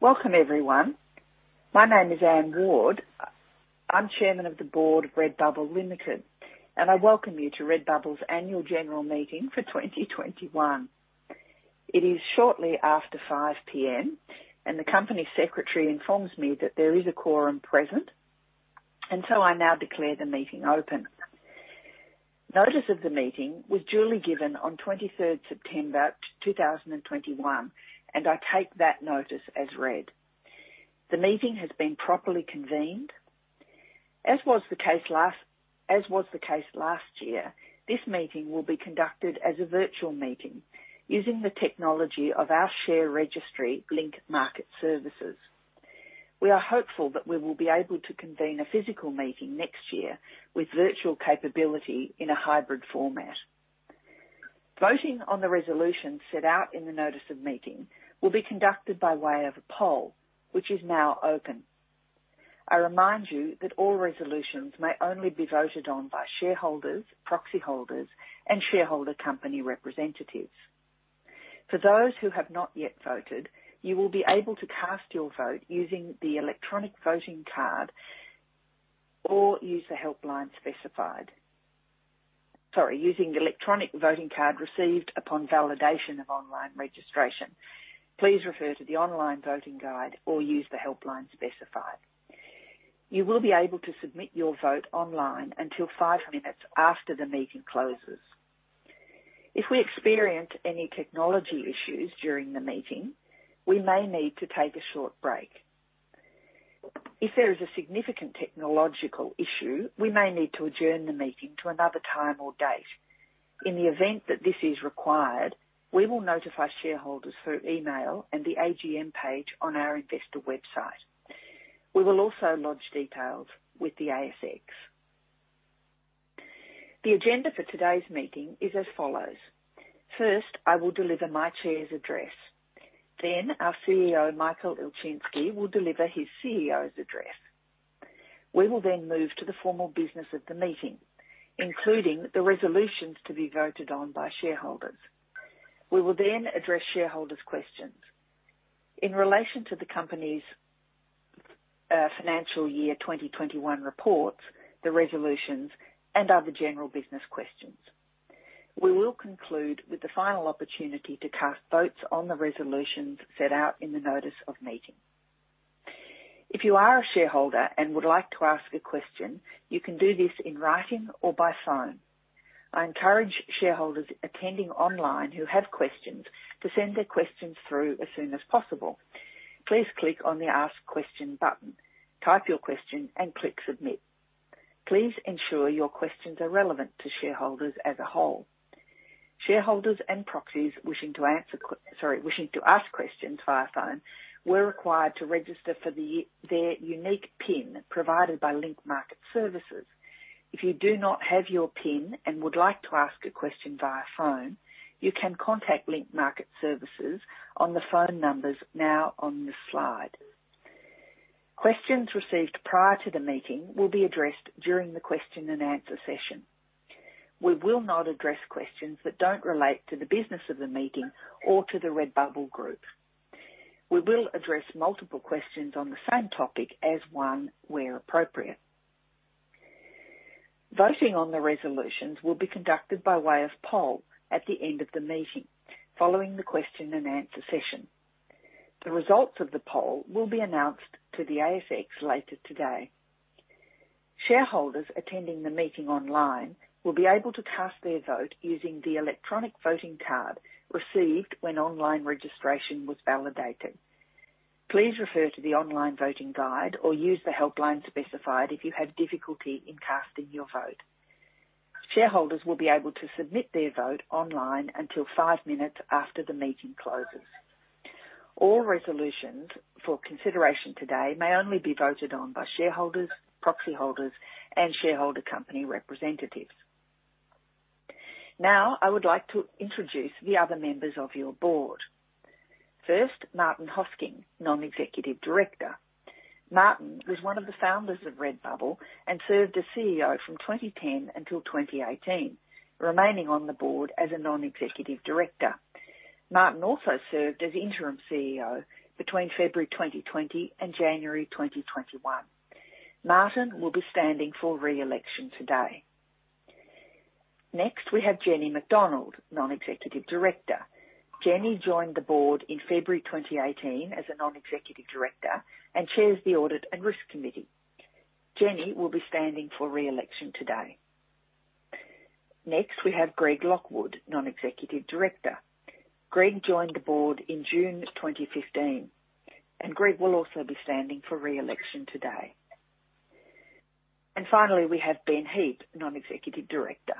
Welcome everyone. My name is Anne Ward. I'm Chairman of the Board, Redbubble Limited, and I welcome you to Redbubble's Annual General Meeting for 2021. It is shortly after 5:00 P.M., and the company secretary informs me that there is a quorum present, and so I now declare the meeting open. Notice of the meeting was duly given on 23rd September 2021, and I take that notice as read. The meeting has been properly convened. As was the case last year, this meeting will be conducted as a virtual meeting using the technology of our share registry, Link Market Services. We are hopeful that we will be able to convene a physical meeting next year with virtual capability in a hybrid format. Voting on the resolution set out in the notice of meeting will be conducted by way of a poll, which is now open. I remind you that all resolutions may only be voted on by shareholders, proxy holders, and shareholder company representatives. For those who have not yet voted, you will be able to cast your vote using the electronic voting card or use the helpline specified. Sorry, using the electronic voting card received upon validation of online registration. Please refer to the online voting guide or use the helpline specified. You will be able to submit your vote online until five minutes after the meeting closes. If we experience any technology issues during the meeting, we may need to take a short break. If there is a significant technological issue, we may need to adjourn the meeting to another time or date. In the event that this is required, we will notify shareholders through email and the AGM page on our investor website. We will also lodge details with the ASX. The agenda for today's meeting is as follows. First, I will deliver my Chair's address. Our CEO, Michael Ilczynski, will deliver his CEO's address. We will then move to the formal business of the meeting, including the resolutions to be voted on by shareholders. We will then address shareholders' questions in relation to the company's financial year 2021 reports, the resolutions, and other general business questions. We will conclude with the final opportunity to cast votes on the resolutions set out in the notice of meeting. If you are a shareholder and would like to ask a question, you can do this in writing or by phone. I encourage shareholders attending online who have questions to send their questions through as soon as possible. Please click on the Ask Question button, type your question, and click Submit. Please ensure your questions are relevant to shareholders as a whole. Shareholders and proxies wishing to ask questions via phone, we're required to register for their unique PIN provided by Link Market Services. If you do not have your PIN and would like to ask a question via phone, you can contact Link Market Services on the phone numbers now on this slide. Questions received prior to the meeting will be addressed during the question and answer session. We will not address questions that don't relate to the business of the meeting or to the Redbubble Group. We will address multiple questions on the same topic as one where appropriate. Voting on the resolutions will be conducted by way of poll at the end of the meeting following the question and answer session. The results of the poll will be announced to the ASX later today. Shareholders attending the meeting online will be able to cast their vote using the electronic voting card received when online registration was validated. Please refer to the online voting guide or use the helpline specified if you have difficulty in casting your vote. Shareholders will be able to submit their vote online until five minutes after the meeting closes. All resolutions for consideration today may only be voted on by shareholders, proxy holders, and shareholder company representatives. Now, I would like to introduce the other members of your board. First, Martin Hosking, Non-Executive Director. Martin was one of the Founders of Redbubble and served as CEO from 2010 until 2018, remaining on the board as a Non-Executive Director. Martin also served as Interim CEO between February 2020 and January 2021. Martin will be standing for re-election today. Next, we have Jenny Macdonald, Non-Executive Director. Jenny joined the board in February 2018 as a Non-Executive Director and chairs the Audit and Risk Committee. Jenny will be standing for re-election today. Next, we have Greg Lockwood, Non-Executive Director. Greg joined the board in June 2015. Greg will also be standing for re-election today. Finally, we have Ben Heap, Non-Executive Director.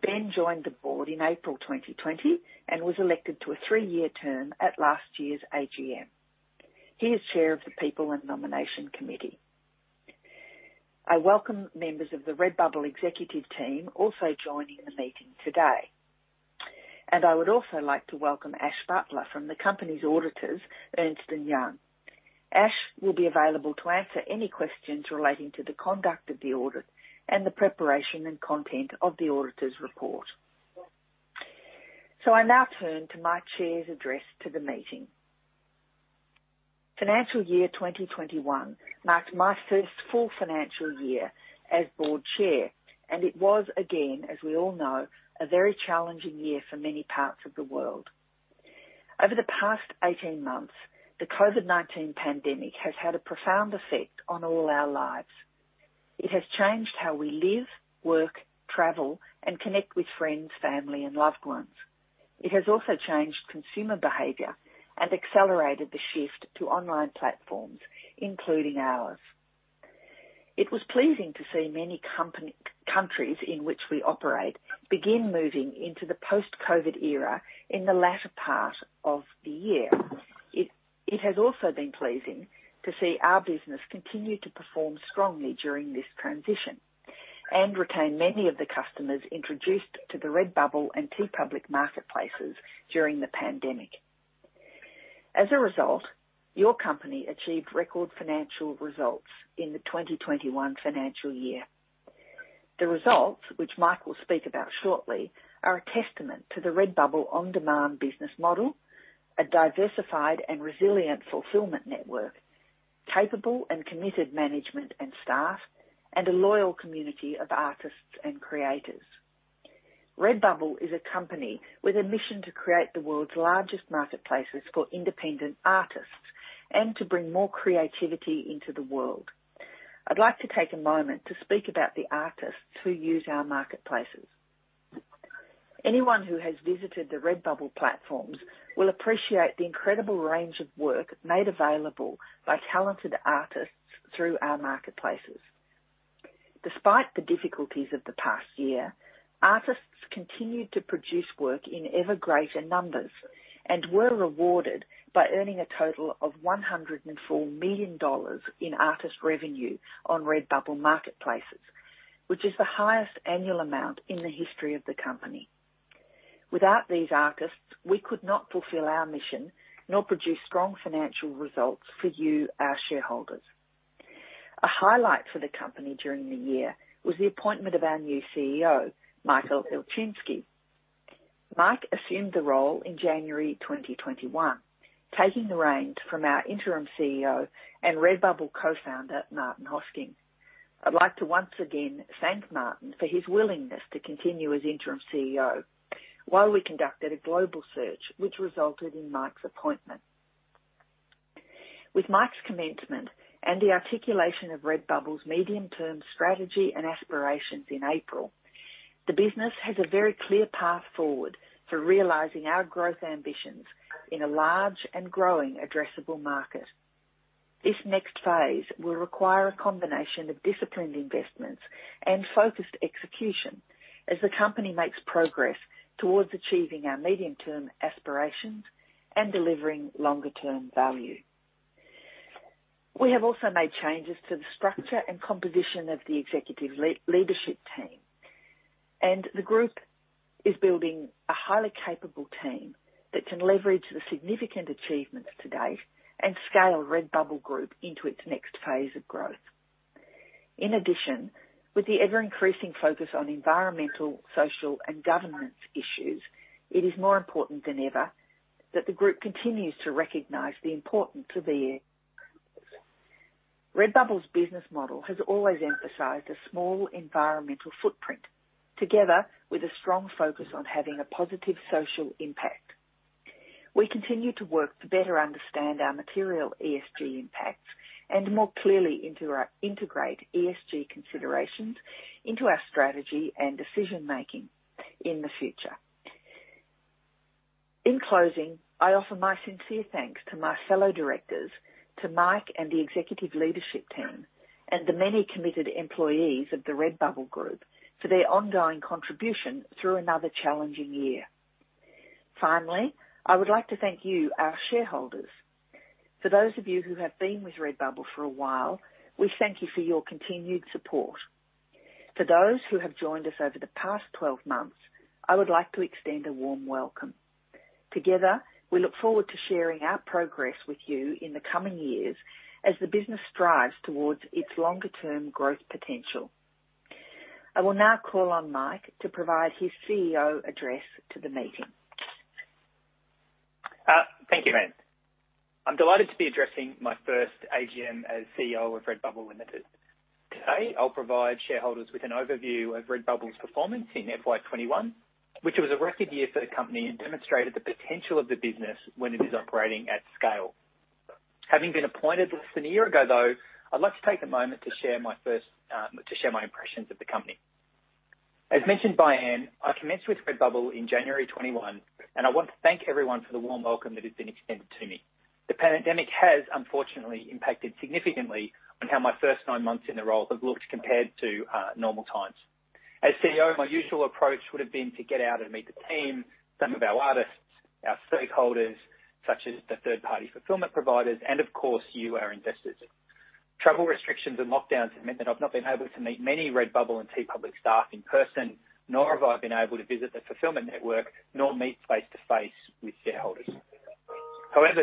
Ben joined the board in April 2020 and was elected to a three year term at last year's AGM. He is Chair of the People and Nomination Committee. I welcome members of the Redbubble executive team also joining the meeting today. I would also like to welcome Ash Butler from the company's auditors, Ernst & Young. Ash will be available to answer any questions relating to the conduct of the audit and the preparation and content of the auditor's report. I now turn to my chair's address to the meeting. Financial year 2021 marked my first full financial year as Board Chair, and it was, again, as we all know, a very challenging year for many parts of the world. Over the past 18 months, the COVID-19 pandemic has had a profound effect on all our lives. It has changed how we live, work, travel, and connect with friends, family, and loved ones. It has also changed consumer behavior and accelerated the shift to online platforms, including ours. It was pleasing to see many countries in which we operate begin moving into the post-COVID era in the latter part of the year. It has also been pleasing to see our business continue to perform strongly during this transition and retain many of the customers introduced to the Redbubble and TeePublic marketplaces during the pandemic. As a result, your company achieved record financial results in the 2021 financial year. The results, which Mike will speak about shortly, are a testament to the Redbubble on-demand business model, a diversified and resilient fulfillment network, capable and committed management and staff, and a loyal community of artists and creators. Redbubble is a company with a mission to create the world's largest marketplaces for independent artists and to bring more creativity into the world. I'd like to take a moment to speak about the artists who use our marketplaces. Anyone who has visited the Redbubble platforms will appreciate the incredible range of work made available by talented artists through our marketplaces. Despite the difficulties of the past year, artists continued to produce work in ever greater numbers and were rewarded by earning a total of 104 million dollars in artist revenue on Redbubble marketplaces, which is the highest annual amount in the history of the company. Without these artists, we could not fulfill our mission nor produce strong financial results for you, our shareholders. A highlight for the company during the year was the appointment of our new CEO, Michael Ilczynski. Mike assumed the role in January 2021, taking the reins from our Interim CEO and Redbubble Co-Founder, Martin Hosking. I'd like to once again thank Martin for his willingness to continue as Interim CEO while we conducted a global search, which resulted in Mike's appointment. With Mike's commencement and the articulation of Redbubble's medium-term strategy and aspirations in April, the business has a very clear path forward for realizing our growth ambitions in a large and growing addressable market. This next phase will require a combination of disciplined investments and focused execution as the company makes progress towards achieving our medium-term aspirations and delivering longer-term value. We have also made changes to the structure and composition of the executive leadership team, and the group is building a highly capable team that can leverage the significant achievements to date and scale Redbubble Group into its next phase of growth. In addition, with the ever-increasing focus on environmental, social, and governance issues, it is more important than ever that the group continues to recognize the importance of the ESG. Redbubble's business model has always emphasized a small environmental footprint, together with a strong focus on having a positive social impact. We continue to work to better understand our material ESG impacts and more clearly integrate ESG considerations into our strategy and decision-making in the future. In closing, I offer my sincere thanks to my fellow directors, to Mike and the executive leadership team, and the many committed employees of the Redbubble Group for their ongoing contribution through another challenging year. Finally, I would like to thank you, our shareholders. For those of you who have been with Redbubble for a while, we thank you for your continued support. For those who have joined us over the past 12 months, I would like to extend a warm welcome. Together, we look forward to sharing our progress with you in the coming years as the business strives towards its longer-term growth potential. I will now call on Mike to provide his CEO address to the meeting. Thank you, Anne. I'm delighted to be addressing my first AGM as CEO of Redbubble Limited. Today, I'll provide shareholders with an overview of Redbubble's performance in FY 2021, which was a record year for the company and demonstrated the potential of the business when it is operating at scale. Having been appointed less than one year ago, though, I'd like to take a moment to share my impressions of the company. As mentioned by Anne, I commenced with Redbubble in January 2021, and I want to thank everyone for the warm welcome that has been extended to me. The pandemic has, unfortunately, impacted significantly on how my first nine months in the role have looked compared to normal times. As CEO, my usual approach would have been to get out and meet the team, some of our artists, our stakeholders, such as the third-party fulfillment providers, and of course, you, our investors. Travel restrictions and lockdowns have meant that I've not been able to meet many Redbubble and TeePublic staff in person, nor have I been able to visit the fulfillment network, nor meet face-to-face with shareholders.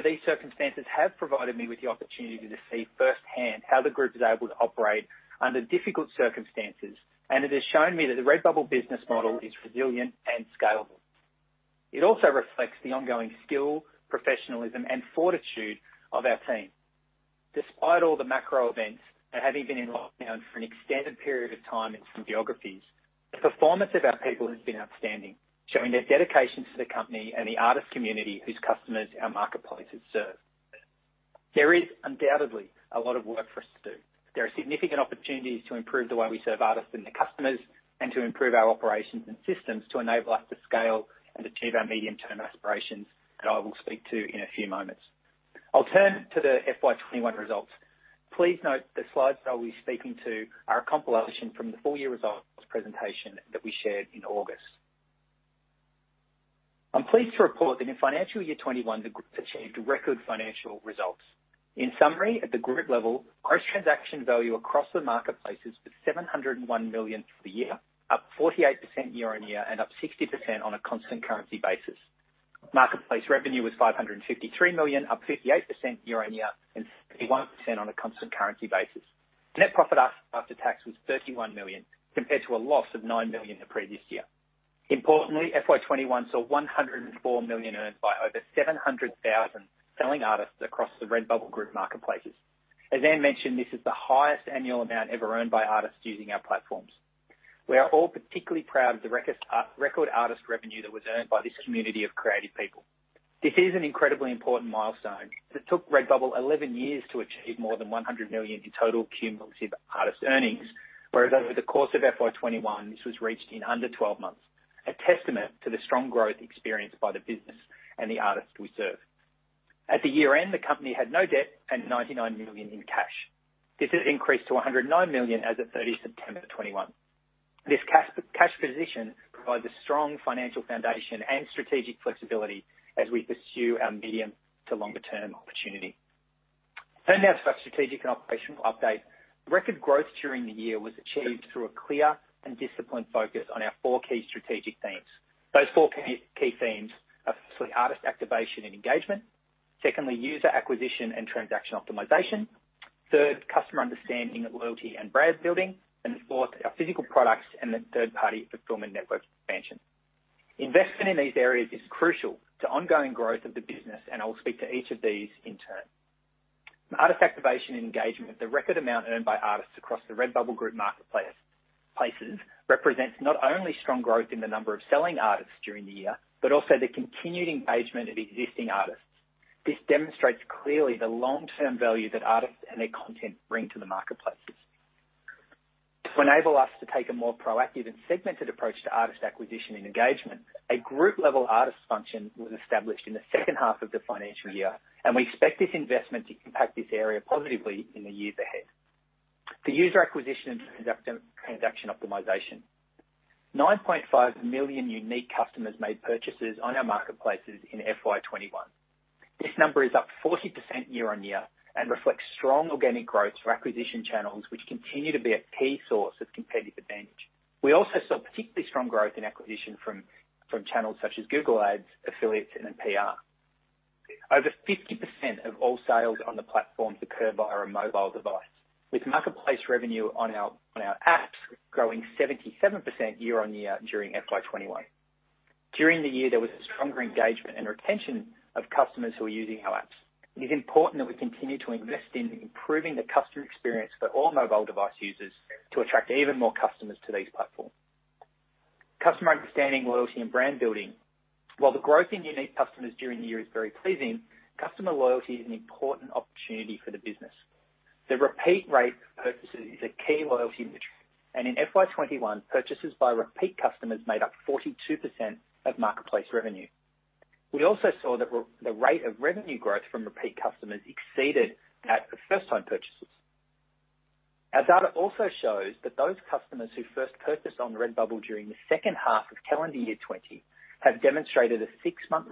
These circumstances have provided me with the opportunity to see firsthand how the group is able to operate under difficult circumstances, and it has shown me that the Redbubble business model is resilient and scalable. It also reflects the ongoing skill, professionalism, and fortitude of our team. Despite all the macro events and having been in lockdown for an extended period of time in some geographies, the performance of our people has been outstanding, showing their dedication to the company and the artist community whose customers our marketplaces serve. There is undoubtedly a lot of work for us to do. There are significant opportunities to improve the way we serve artists and the customers, and to improve our operations and systems to enable us to scale and achieve our medium-term aspirations that I will speak to in a few moments. I'll turn to the FY 2021 results. Please note the slides that I'll be speaking to are a compilation from the full-year results presentation that we shared in August. I'm pleased to report that in financial year 2021, the group achieved record financial results. In summary, at the group level, gross transaction value across the marketplaces was 701 million for the year, up 48% year-on-year, and up 60% on a constant currency basis. Marketplace revenue was 553 million, up 58% year-on-year, and 31% on a constant currency basis. Net profit after tax was 31 million, compared to a loss of 9 million the previous year. Importantly, FY 2021 saw 104 million earned by over 700,000 selling artists across the Redbubble Group marketplaces. As Anne Ward mentioned, this is the highest annual amount ever earned by artists using our platforms. We are all particularly proud of the record artist revenue that was earned by this community of creative people. This is an incredibly important milestone. It took Redbubble 11 years to achieve more than 100 million in total cumulative artist earnings, whereas over the course of FY 2021, this was reached in under 12 months. A testament to the strong growth experienced by the business and the artists we serve. At the year-end, the company had no debt and 99 million in cash. This has increased to 109 million as of 30 September 2021. This cash position provides a strong financial foundation and strategic flexibility as we pursue our medium to longer term opportunity. Turning now to our strategic and operational update. Record growth during the year was achieved through a clear and disciplined focus on our four key strategic themes. Those four key themes are firstly, artist activation and engagement. Secondly, user acquisition and transaction optimization. Third, customer understanding, loyalty, and brand building, and fourth, our physical products and the third-party fulfillment network expansion. Investment in these areas is crucial to ongoing growth of the business, and I will speak to each of these in turn. Artist activation and engagement. The record amount earned by artists across the Redbubble Group marketplaces represents not only strong growth in the number of selling artists during the year, but also the continued engagement of existing artists. This demonstrates clearly the long-term value that artists and their content bring to the marketplaces. To enable us to take a more proactive and segmented approach to artist acquisition and engagement, a group-level artist function was established in the second half of the financial year, and we expect this investment to impact this area positively in the years ahead. For user acquisition and transaction optimization. 9.5 million unique customers made purchases on our marketplaces in FY 2021. This number is up 40% year-on-year and reflects strong organic growth for acquisition channels, which continue to be a key source of competitive advantage. We also saw particularly strong growth in acquisition from channels such as Google Ads, affiliates, and then PR. Over 50% of all sales on the platform occur via a mobile device, with marketplace revenue on our apps growing 77% year-on-year during FY 2021. During the year, there was a stronger engagement and retention of customers who are using our apps. It is important that we continue to invest in improving the customer experience for all mobile device users to attract even more customers to these platforms. Customer understanding, loyalty, and brand building. While the growth in unique customers during the year is very pleasing, customer loyalty is an important opportunity for the business. The repeat rate of purchases is a key loyalty metric, and in FY 2021, purchases by repeat customers made up 42% of marketplace revenue. We also saw that the rate of revenue growth from repeat customers exceeded that of first-time purchases. Our data also shows that those customers who first purchased on Redbubble during the second half of calendar year 2020 have demonstrated a six-month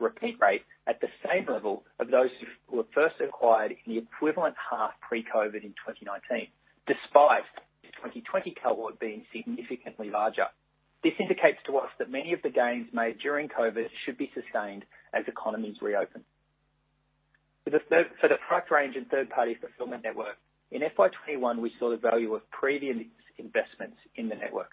repeat rate at the same level of those who were first acquired in the equivalent half pre-COVID in 2019, despite the 2020 cohort being significantly larger. This indicates to us that many of the gains made during COVID should be sustained as economies reopen. For the product range and third-party fulfillment network. In FY 2021, we saw the value of previous investments in the network.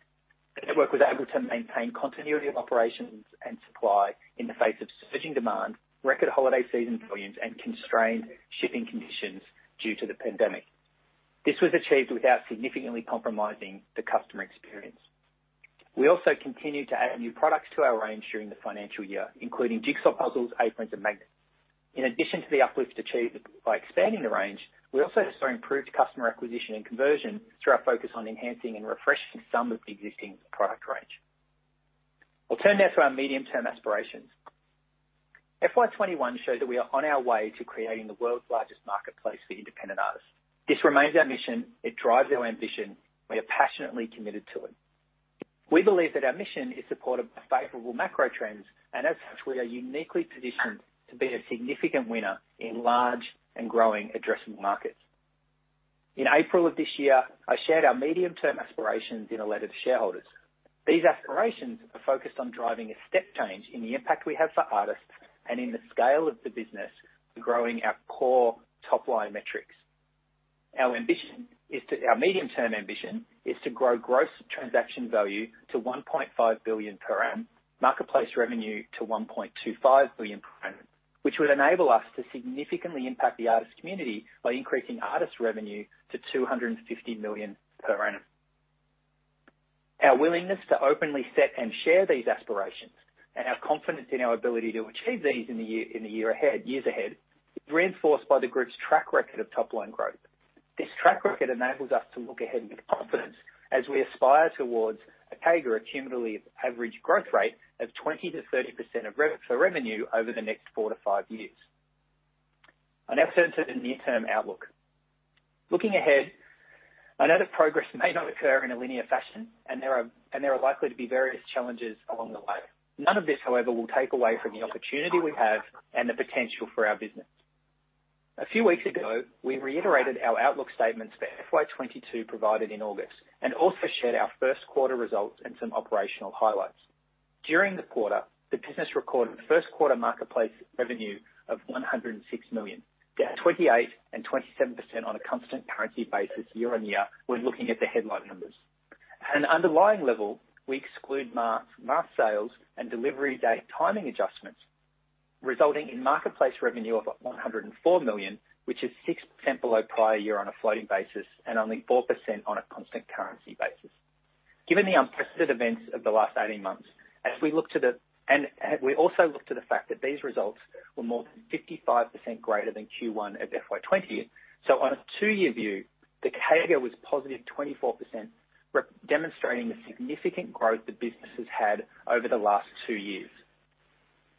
The network was able to maintain continuity of operations and supply in the face of surging demand, record holiday season volumes, and constrained shipping conditions due to the pandemic. This was achieved without significantly compromising the customer experience. We also continued to add new products to our range during the financial year, including jigsaw puzzles, aprons, and magnets. In addition to the uplift achieved by expanding the range, we also saw improved customer acquisition and conversion through our focus on enhancing and refreshing some of the existing product range. I'll turn now to our medium-term aspirations. FY 2021 shows that we are on our way to creating the world's largest marketplace for independent artists. This remains our mission. It drives our ambition. We are passionately committed to it. We believe that our mission is supported by favorable macro trends, and as such, we are uniquely positioned to be a significant winner in large and growing addressable markets. In April of this year, I shared our medium-term aspirations in a letter to shareholders. These aspirations are focused on driving a step change in the impact we have for artists and in the scale of the business, growing our core top-line metrics. Our medium-term ambition is to grow gross transaction value to 1.5 billion per annum, marketplace revenue to 1.25 billion per annum, which would enable us to significantly impact the artist community by increasing artist revenue to 250 million per annum. Our willingness to openly set and share these aspirations, and our confidence in our ability to achieve these in the years ahead, is reinforced by the group's track record of top-line growth. This track record enables us to look ahead with confidence as we aspire towards a CAGR, a cumulative average growth rate, of 20%-30% for revenue over the next four to five years. I now turn to the near-term outlook. Looking ahead, I know that progress may not occur in a linear fashion, and there are likely to be various challenges along the way. None of this, however, will take away from the opportunity we have and the potential for our business. A few weeks ago, we reiterated our outlook statements for FY 2022 provided in August, and also shared our first quarter results and some operational highlights. During the quarter, the business recorded first quarter marketplace revenue of 106 million, down 28% and 27% on a constant currency basis year-on-year when looking at the headline numbers. At an underlying level, we exclude mask sales and delivery date timing adjustments, resulting in marketplace revenue of 104 million, which is 6% below prior year on a floating basis and only 4% on a constant currency basis. Given the unprecedented events of the last 18 months, and we also look to the fact that these results were more than 55% greater than Q1 of FY 2020. On a two-year view, the CAGR was +24%, demonstrating the significant growth the business has had over the last two years.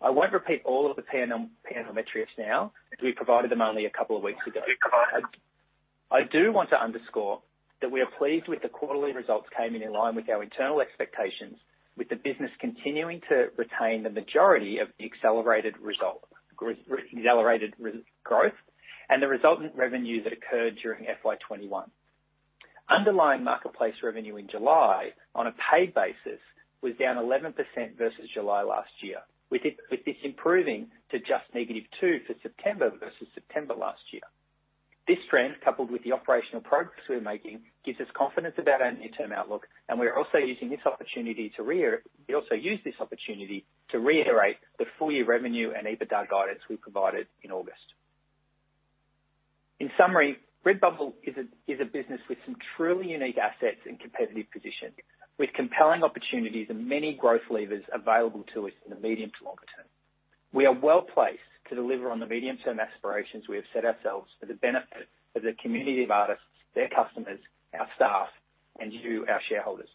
I won't repeat all of the P&L metrics now, as we provided them only a couple of weeks ago. I do want to underscore that we are pleased with the quarterly results came in in line with our internal expectations, with the business continuing to retain the majority of the accelerated growth and the resultant revenue that occurred during FY 2021. Underlying marketplace revenue in July, on a paid basis, was down 11% versus July last year, with this improving to just -2% for September versus September last year. This trend, coupled with the operational progress we're making, gives us confidence about our near-term outlook, and we also use this opportunity to reiterate the full-year revenue and EBITDA guidance we provided in August. In summary, Redbubble is a business with some truly unique assets and competitive position, with compelling opportunities and many growth levers available to us in the medium to longer term. We are well-placed to deliver on the medium-term aspirations we have set ourselves for the benefit of the community of artists, their customers, our staff, and you, our shareholders.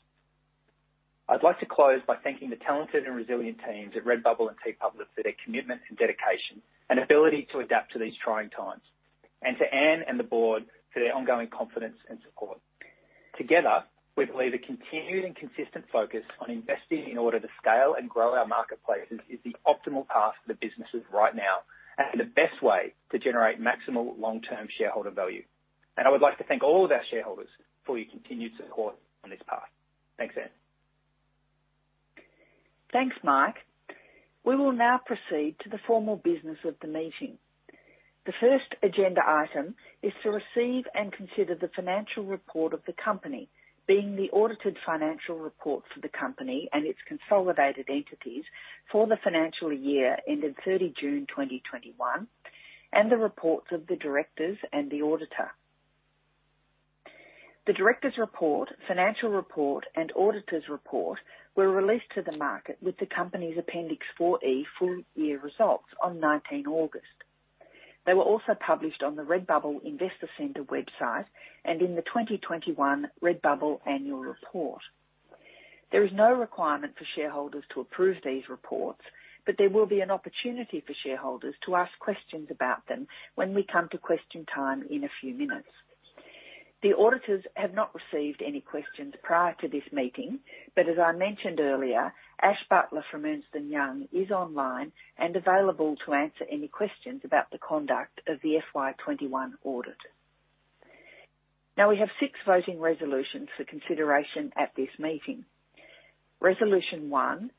I'd like to close by thanking the talented and resilient teams at Redbubble and TeePublic for their commitment and dedication and ability to adapt to these trying times, and to Anne and the board for their ongoing confidence and support. Together, we believe a continued and consistent focus on investing in order to scale and grow our marketplaces is the optimal path for the businesses right now and the best way to generate maximal long-term shareholder value. I would like to thank all of our shareholders for your continued support on this path. Thanks, Anne. Thanks, Mike. We will now proceed to the formal business of the meeting. The first agenda item is to receive and consider the financial report of the company, being the audited financial report for the company and its consolidated entities for the financial year ending 30 June 2021, and the reports of the Directors and the Auditor. The directors' report, financial report, and Auditor's Report were released to the market with the company's Appendix 4E full-year results on 19 August. They were also published on the Redbubble Investor Center website and in the 2021 Redbubble Annual Report. There is no requirement for shareholders to approve these reports, but there will be an opportunity for shareholders to ask questions about them when we come to question time in a few minutes. The auditors have not received any questions prior to this meeting, but as I mentioned earlier, Ash Butler from Ernst & Young is online and available to answer any questions about the conduct of the FY 2021 audit. Now, we have six voting resolutions for consideration at this meeting. Resolution 1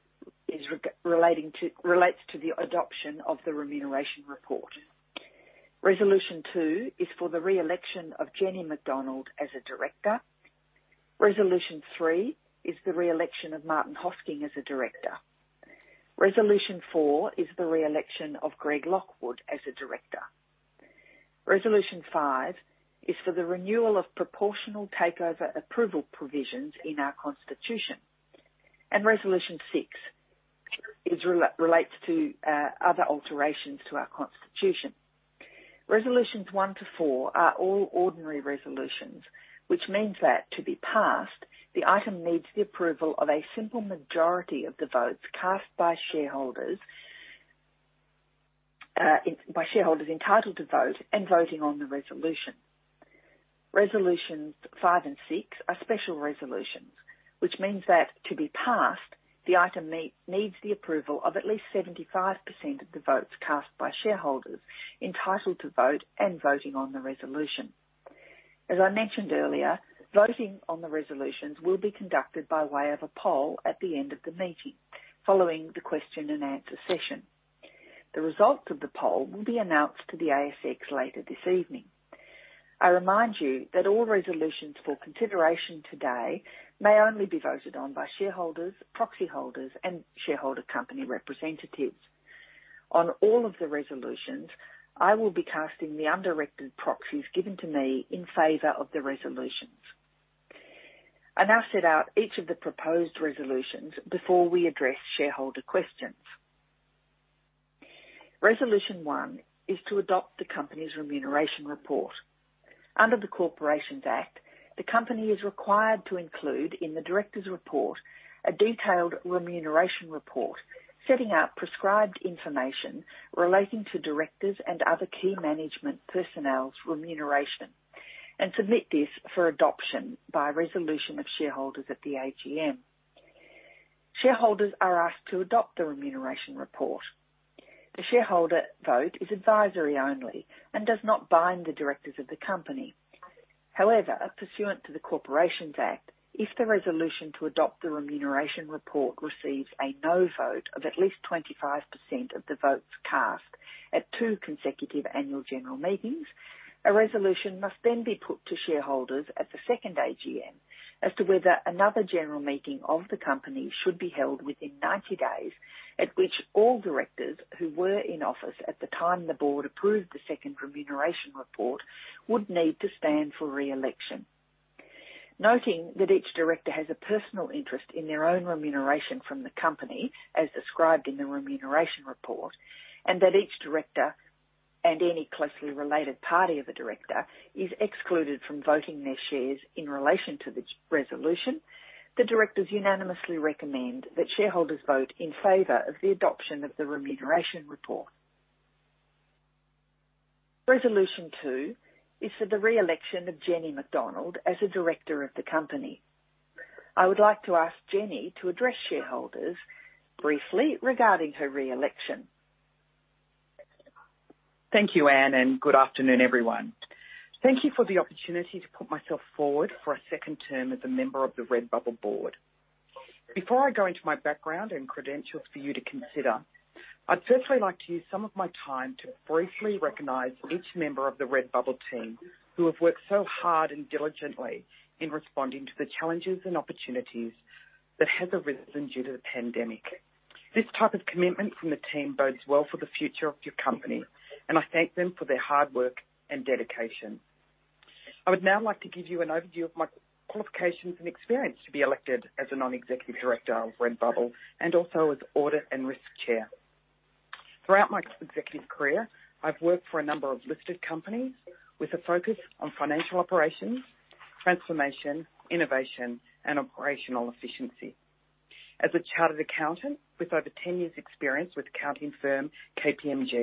relates to the adoption of the remuneration report. resolution two is for the re-election of Jenny Macdonald as a Director. resolution three is the re-election of Martin Hosking as a Director. resolution four is the re-election of Greg Lockwood as a Director. resolution five is for the renewal of proportional takeover approval provisions in our constitution. resolution six relates to other alterations to our constitution. Resolutions one to four are all ordinary resolutions, which means that to be passed, the item needs the approval of a simple majority of the votes cast by shareholders By shareholders entitled to vote and voting on the resolution. Resolutions five and six are special resolutions, which means that to be passed, the item needs the approval of at least 75% of the votes cast by shareholders entitled to vote and voting on the resolution. As I mentioned earlier, voting on the resolutions will be conducted by way of a poll at the end of the meeting, following the question and answer session. The result of the poll will be announced to the ASX later this evening. I remind you that all resolutions for consideration today may only be voted on by shareholders, proxy holders, and shareholder company representatives. On all of the resolutions, I will be casting the undirected proxies given to me in favor of the resolutions. I now set out each of the proposed resolutions before we address shareholder questions. Resolution 1 is to adopt the company's remuneration report. Under the Corporations Act, the company is required to include in the Directors' Report, a detailed remuneration report setting out prescribed information relating to directors' and other key management personnel's remuneration, and submit this for adoption by resolution of shareholders at the AGM. Shareholders are asked to adopt the remuneration report. The shareholder vote is advisory only and does not bind the directors of the company. However, pursuant to the Corporations Act, if the resolution to adopt the remuneration report receives a no vote of at least 25% of the votes cast at two consecutive annual general meetings, a resolution must then be put to shareholders at the second AGM as to whether another general meeting of the company should be held within 90 days, at which all directors who were in office at the time the board approved the second remuneration report would need to stand for re-election. Noting that each director has a personal interest in their own remuneration from the company, as described in the remuneration report, and that each director and any closely related party of a director is excluded from voting their shares in relation to this resolution. The directors unanimously recommend that shareholders vote in favor of the adoption of the remuneration report. resolution two is for the re-election of Jenny Macdonald as a Director of the company. I would like to ask Jenny to address shareholders briefly regarding her re-election. Thank you, Anne, and good afternoon, everyone. Thank you for the opportunity to put myself forward for a second term as a member of the Redbubble board. Before I go into my background and credentials for you to consider, I'd firstly like to use some of my time to briefly recognize each member of the Redbubble team who have worked so hard and diligently in responding to the challenges and opportunities that have arisen due to the pandemic. This type of commitment from the team bodes well for the future of your company, and I thank them for their hard work and dedication. I would now like to give you an overview of my qualifications and experience to be elected as a Non-Executive Director of Redbubble, and also as Audit and Risk Chair. Throughout my executive career, I've worked for a number of listed companies with a focus on financial operations, transformation, innovation, and operational efficiency. As a chartered accountant with over 10 years’ experience with accounting firm KPMG,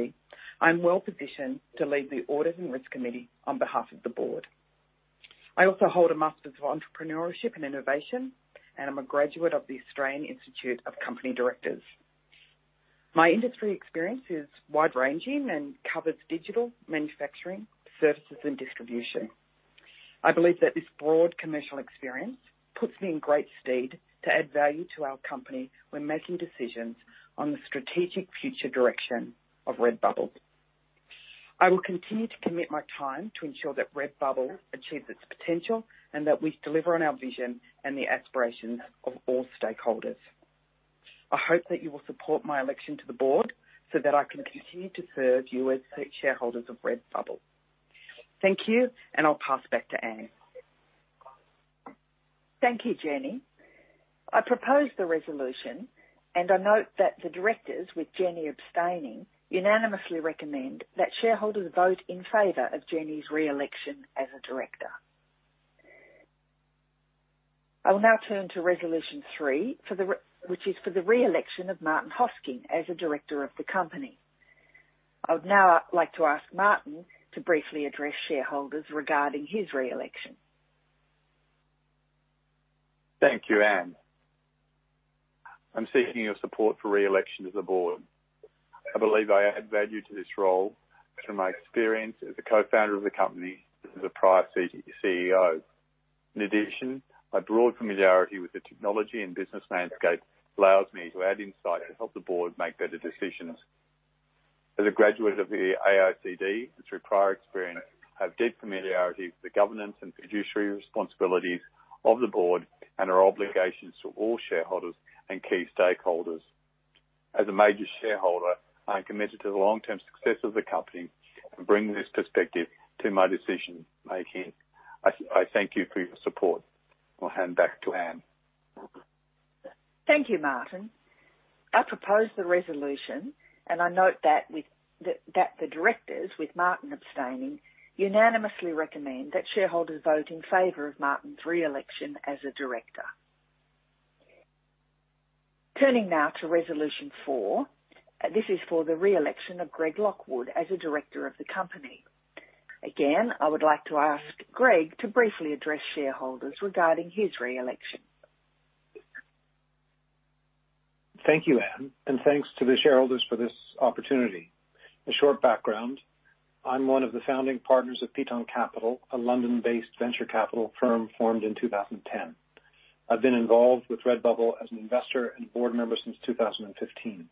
I'm well-positioned to lead the Audit and Risk Committee on behalf of the board. I also hold a Masters of Entrepreneurship and Innovation, and I'm a graduate of the Australian Institute of Company Directors. My industry experience is wide-ranging and covers digital manufacturing, services, and distribution. I believe that this broad commercial experience puts me in great stead to add value to our company when making decisions on the strategic future direction of Redbubble. I will continue to commit my time to ensure that Redbubble achieves its potential and that we deliver on our vision and the aspirations of all stakeholders. I hope that you will support my election to the board so that I can continue to serve you as shareholders of Redbubble. Thank you. I'll pass back to Anne. Thank you, Jenny. I propose the resolution, I note that the directors, with Jenny abstaining, unanimously recommend that shareholders vote in favor of Jenny's re-election as a Director. I will now turn to resolution three, which is for the re-election of Martin Hosking as a Director of the company. I would now like to ask Martin to briefly address shareholders regarding his re-election. Thank you, Anne. I'm SEEKing your support for re-election to the board. I believe I add value to this role from my experience as a Co-Founder of the company and as a prior CEO. In addition, my broad familiarity with the technology and business landscape allows me to add insight and help the board make better decisions. As a graduate of the AICD, and through prior experience, I have deep familiarity with the governance and fiduciary responsibilities of the board and our obligations to all shareholders and key stakeholders. As a major Shareholder, I am committed to the long-term success of the company and bring this perspective to my decision-making. I thank you for your support. I'll hand back to Anne. Thank you, Martin. I propose the resolution. I note that the directors, with Martin abstaining, unanimously recommend that shareholders vote in favor of Martin's re-election as a director. Turning now to resolution four. This is for the re-election of Greg Lockwood as a director of the company. Again, I would like to ask Greg to briefly address shareholders regarding his re-election. Thank you, Anne, and thanks to the shareholders for this opportunity. A short background. I'm one of the founding partners of Piton Capital, a London-based venture capital firm formed in 2010. I've been involved with Redbubble as an Investor and Board Member since 2015.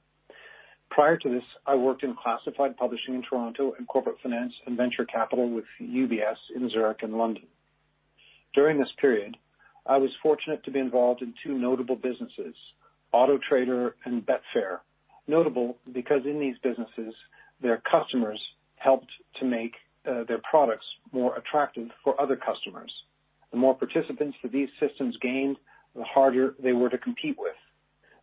Prior to this, I worked in classified publishing in Toronto, and corporate finance and venture capital with UBS in Zurich and London. During this period, I was fortunate to be involved in two notable businesses, Auto Trader and Betfair. Notable because in these businesses, their customers helped to make their products more attractive for other customers. The more participants that these systems gained, the harder they were to compete with.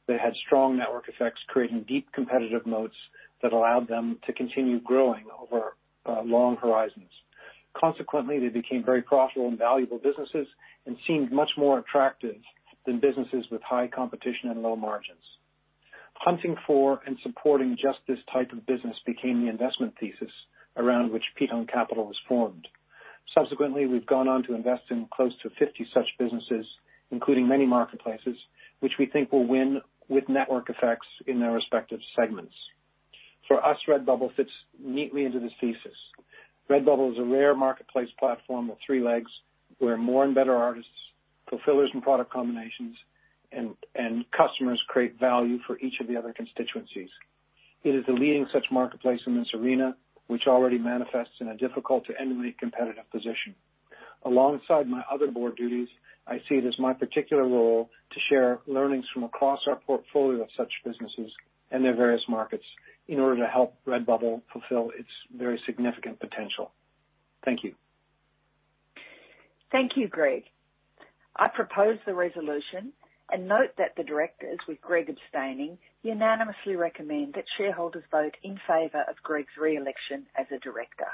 They had strong network effects, creating deep competitive moats that allowed them to continue growing over long horizons. Consequently, they became very profitable and valuable businesses and seemed much more attractive than businesses with high competition and low margins. Hunting for and supporting just this type of business became the investment thesis around which Piton Capital was formed. Subsequently, we've gone on to invest in close to 50 such businesses, including many marketplaces, which we think will win with network effects in their respective segments. For us, Redbubble fits neatly into this thesis. Redbubble is a rare marketplace platform with three legs, where more and better artists, fulfillers, and product combinations, and customers create value for each of the other constituencies. It is the leading such marketplace in this arena, which already manifests in a difficult to emulate competitive position. Alongside my other board duties, I see it as my particular role to share learnings from across our portfolio of such businesses and their various markets in order to help Redbubble fulfill its very significant potential. Thank you. Thank you, Greg. I propose the resolution and note that the directors, with Greg abstaining, unanimously recommend that shareholders vote in favor of Greg's re-election as a Director.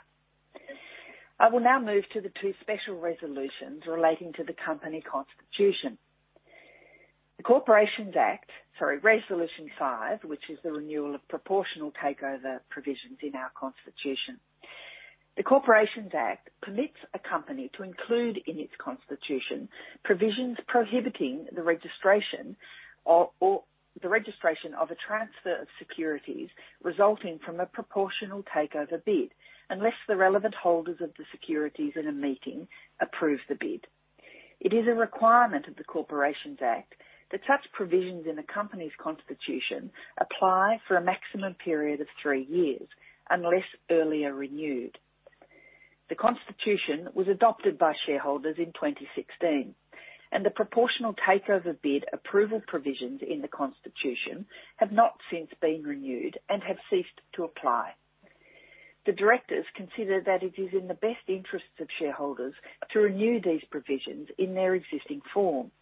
I will now move to the two special resolutions relating to the company constitution. Sorry, resolution five, which is the renewal of proportional takeover provisions in our constitution. The Corporations Act permits a company to include in its constitution provisions prohibiting the registration of a transfer of securities resulting from a proportional takeover bid, unless the relevant holders of the securities in a meeting approve the bid. It is a requirement of the Corporations Act that such provisions in a company's constitution apply for a maximum period of three years, unless earlier renewed. The Constitution was adopted by shareholders in 2016, and the proportional takeover bid approval provisions in the Constitution have not since been renewed and have ceased to apply. The directors consider that it is in the best interests of shareholders to renew these provisions in their existing form.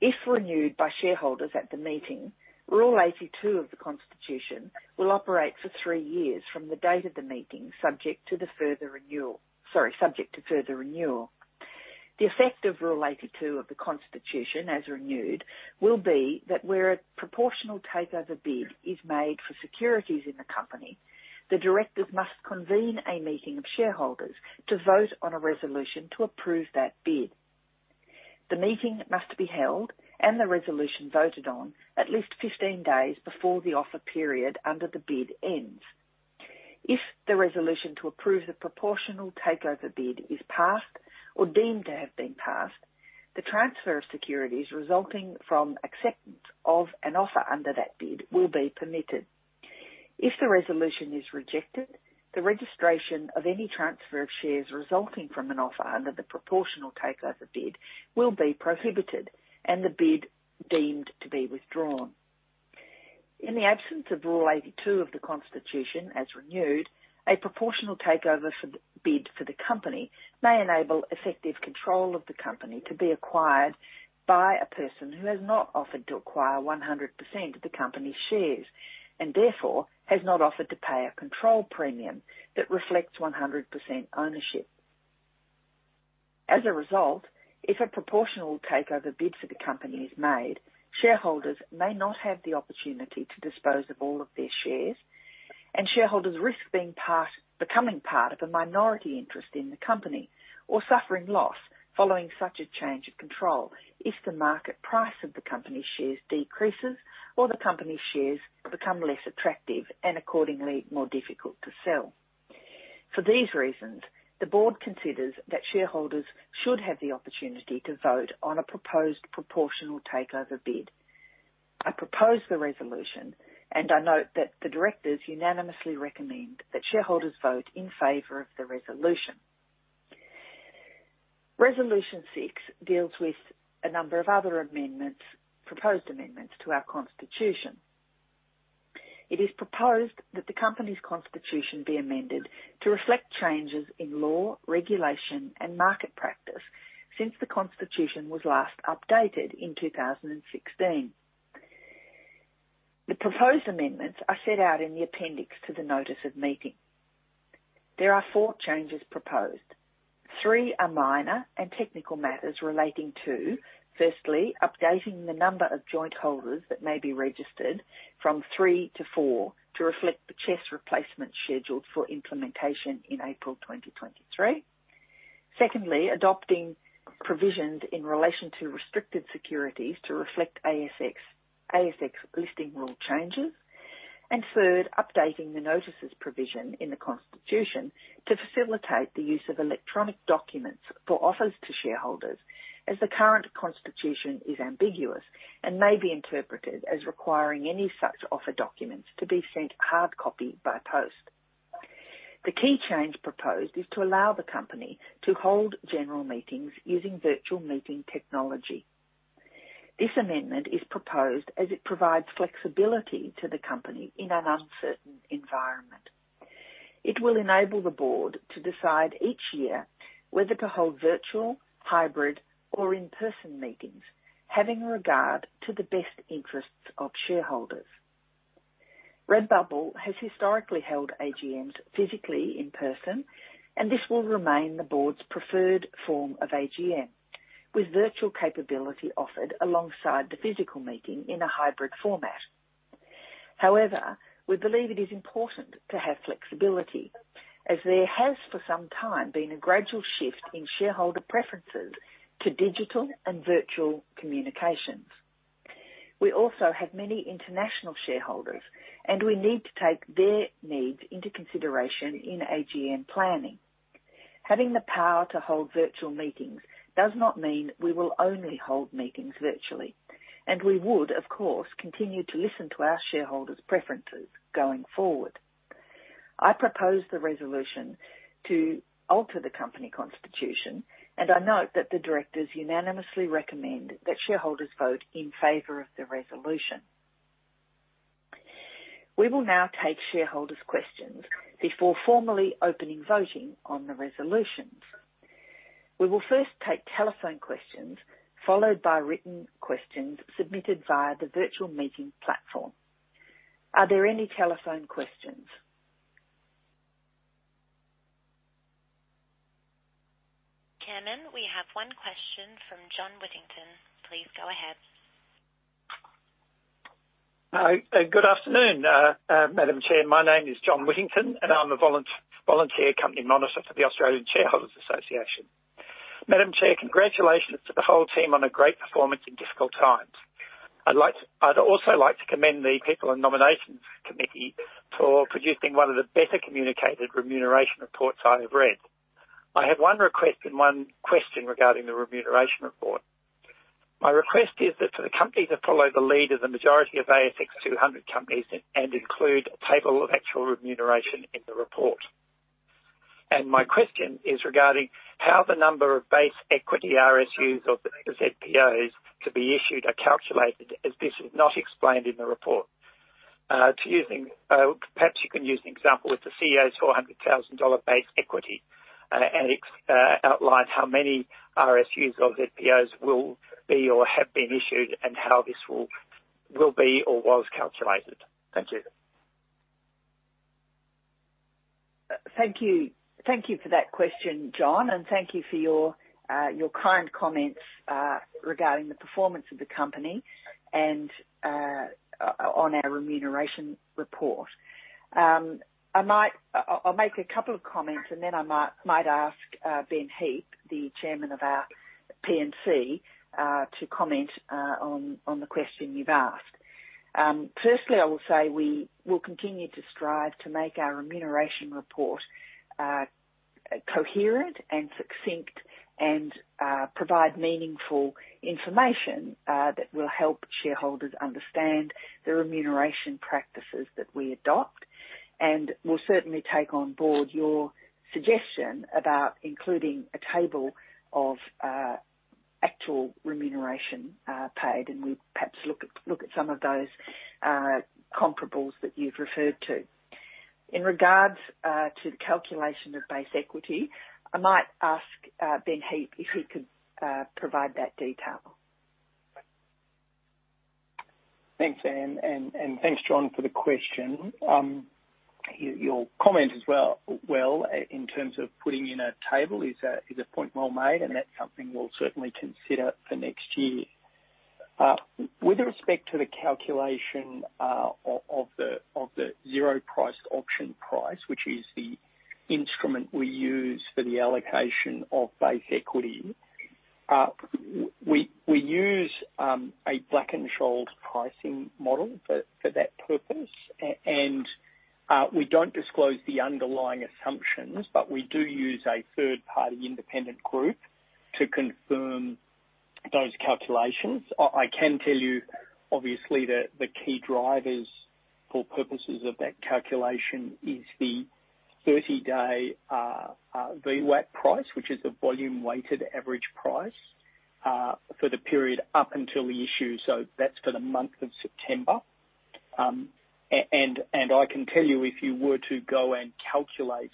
If renewed by shareholders at the meeting, Rule 82 of the Constitution will operate for three years from the date of the meeting, subject to further renewal. The effect of Rule 82 of the Constitution as renewed, will be that where a proportional takeover bid is made for securities in the company, the directors must convene a meeting of shareholders to vote on a resolution to approve that bid. The meeting must be held and the resolution voted on at least 15 days before the offer period under the bid ends. If the resolution to approve the proportional takeover bid is passed or deemed to have been passed, the transfer of securities resulting from acceptance of an offer under that bid will be permitted. If the resolution is rejected, the registration of any transfer of shares resulting from an offer under the proportional takeover bid will be prohibited and the bid deemed to be withdrawn. In the absence of Rule 82 of the Constitution as renewed, a proportional takeover bid for the company may enable effective control of the company to be acquired by a person who has not offered to acquire 100% of the company's shares, and therefore has not offered to pay a control premium that reflects 100% ownership. As a result, if a proportional takeover bid for the company is made, shareholders may not have the opportunity to dispose of all of their shares, and shareholders risk becoming part of a minority interest in the company or suffering loss following such a change of control if the market price of the company's shares decreases or the company's shares become less attractive and accordingly more difficult to sell. For these reasons, the board considers that shareholders should have the opportunity to vote on a proposed proportional takeover bid. I propose the resolution, and I note that the directors unanimously recommend that shareholders vote in favor of the resolution. Resolution six deals with a number of other proposed amendments to our constitution. It is proposed that the company's constitution be amended to reflect changes in law, regulation, and market practice since the Constitution was last updated in 2016. The proposed amendments are set out in the appendix to the notice of meeting. There are four changes proposed. Three are minor and technical matters relating to, firstly, updating the number of joint holders that may be registered from three to four to reflect the CHESS replacement scheduled for implementation in April 2023. Secondly, adopting provisions in relation to restricted securities to reflect ASX Listing Rules changes. Third, updating the notices provision in the constitution to facilitate the use of electronic documents for offers to shareholders as the current constitution is ambiguous and may be interpreted as requiring any such offer documents to be sent hard copy by post. The key change proposed is to allow the company to hold general meetings using virtual meeting technology. This amendment is proposed as it provides flexibility to the company in an uncertain environment. It will enable the board to decide each year whether to hold virtual, hybrid, or in-person meetings, having regard to the best interests of shareholders. Redbubble has historically held AGMs physically in person, and this will remain the board's preferred form of AGM, with virtual capability offered alongside the physical meeting in a hybrid format. However, we believe it is important to have flexibility, as there has for some time been a gradual shift in shareholder preferences to digital and virtual communications. We also have many international shareholders, and we need to take their needs into consideration in AGM planning. Having the power to hold virtual meetings does not mean we will only hold meetings virtually, and we would, of course, continue to listen to our shareholders' preferences going forward. I propose the resolution to alter the company constitution, and I note that the directors unanimously recommend that shareholders vote in favor of the resolution. We will now take shareholders' questions before formally opening voting on the resolutions. We will first take telephone questions, followed by written questions submitted via the virtual meeting platform. Are there any telephone questions? Chairman, we have one question from John Whittington. Please go ahead. Hi. Good afternoon, Madam Chair. My name is John Whittington, and I am a Volunteer Company Monitor for the Australian Shareholders' Association. Madam Chair, congratulations to the whole team on a great performance in difficult times. I would also like to commend the people on the nominations committee for producing one of the better communicated remuneration reports I have read. I have one request and one question regarding the remuneration report. My request is that for the company to follow the lead of the majority of ASX 200 companies and include a table of actual remuneration in the report. My question is regarding how the number of base equity RSUs or ZPOs to be issued are calculated, as this is not explained in the report. Perhaps you can use an example with the CEO's 400,000 dollar base equity, and outline how many RSUs or ZPOs will be or have been issued and how this will be or was calculated. Thank you. Thank you for that question, John, and thank you for your kind comments regarding the performance of the company and on our remuneration report. I'll make a couple of comments, and then I might ask Ben Heap, the Chairman of our P&C, to comment on the question you've asked. Firstly, I will say we will continue to strive to make our remuneration report coherent and succinct and provide meaningful information that will help shareholders understand the remuneration practices that we adopt. We'll certainly take on board your suggestion about including a table of actual remuneration paid, and we'll perhaps look at some of those comparables that you've referred to. In regards to the calculation of base equity, I might ask Ben Heap if he could provide that detail. Thanks, Anne, and thanks, John, for the question. Your comment as well, in terms of putting in a table, is a point well made, and that's something we'll certainly consider for next year. With respect to the calculation of the zero-priced option price, which is the instrument we use for the allocation of base equity. We use a Black-Scholes pricing model for that purpose. We don't disclose the underlying assumptions, but we do use a third-party independent group to confirm those calculations. I can tell you, obviously, that the key drivers for purposes of that calculation is the 30-day VWAP price, which is the volume-weighted average price, for the period up until the issue, so that's for the month of September. I can tell you if you were to go and calculate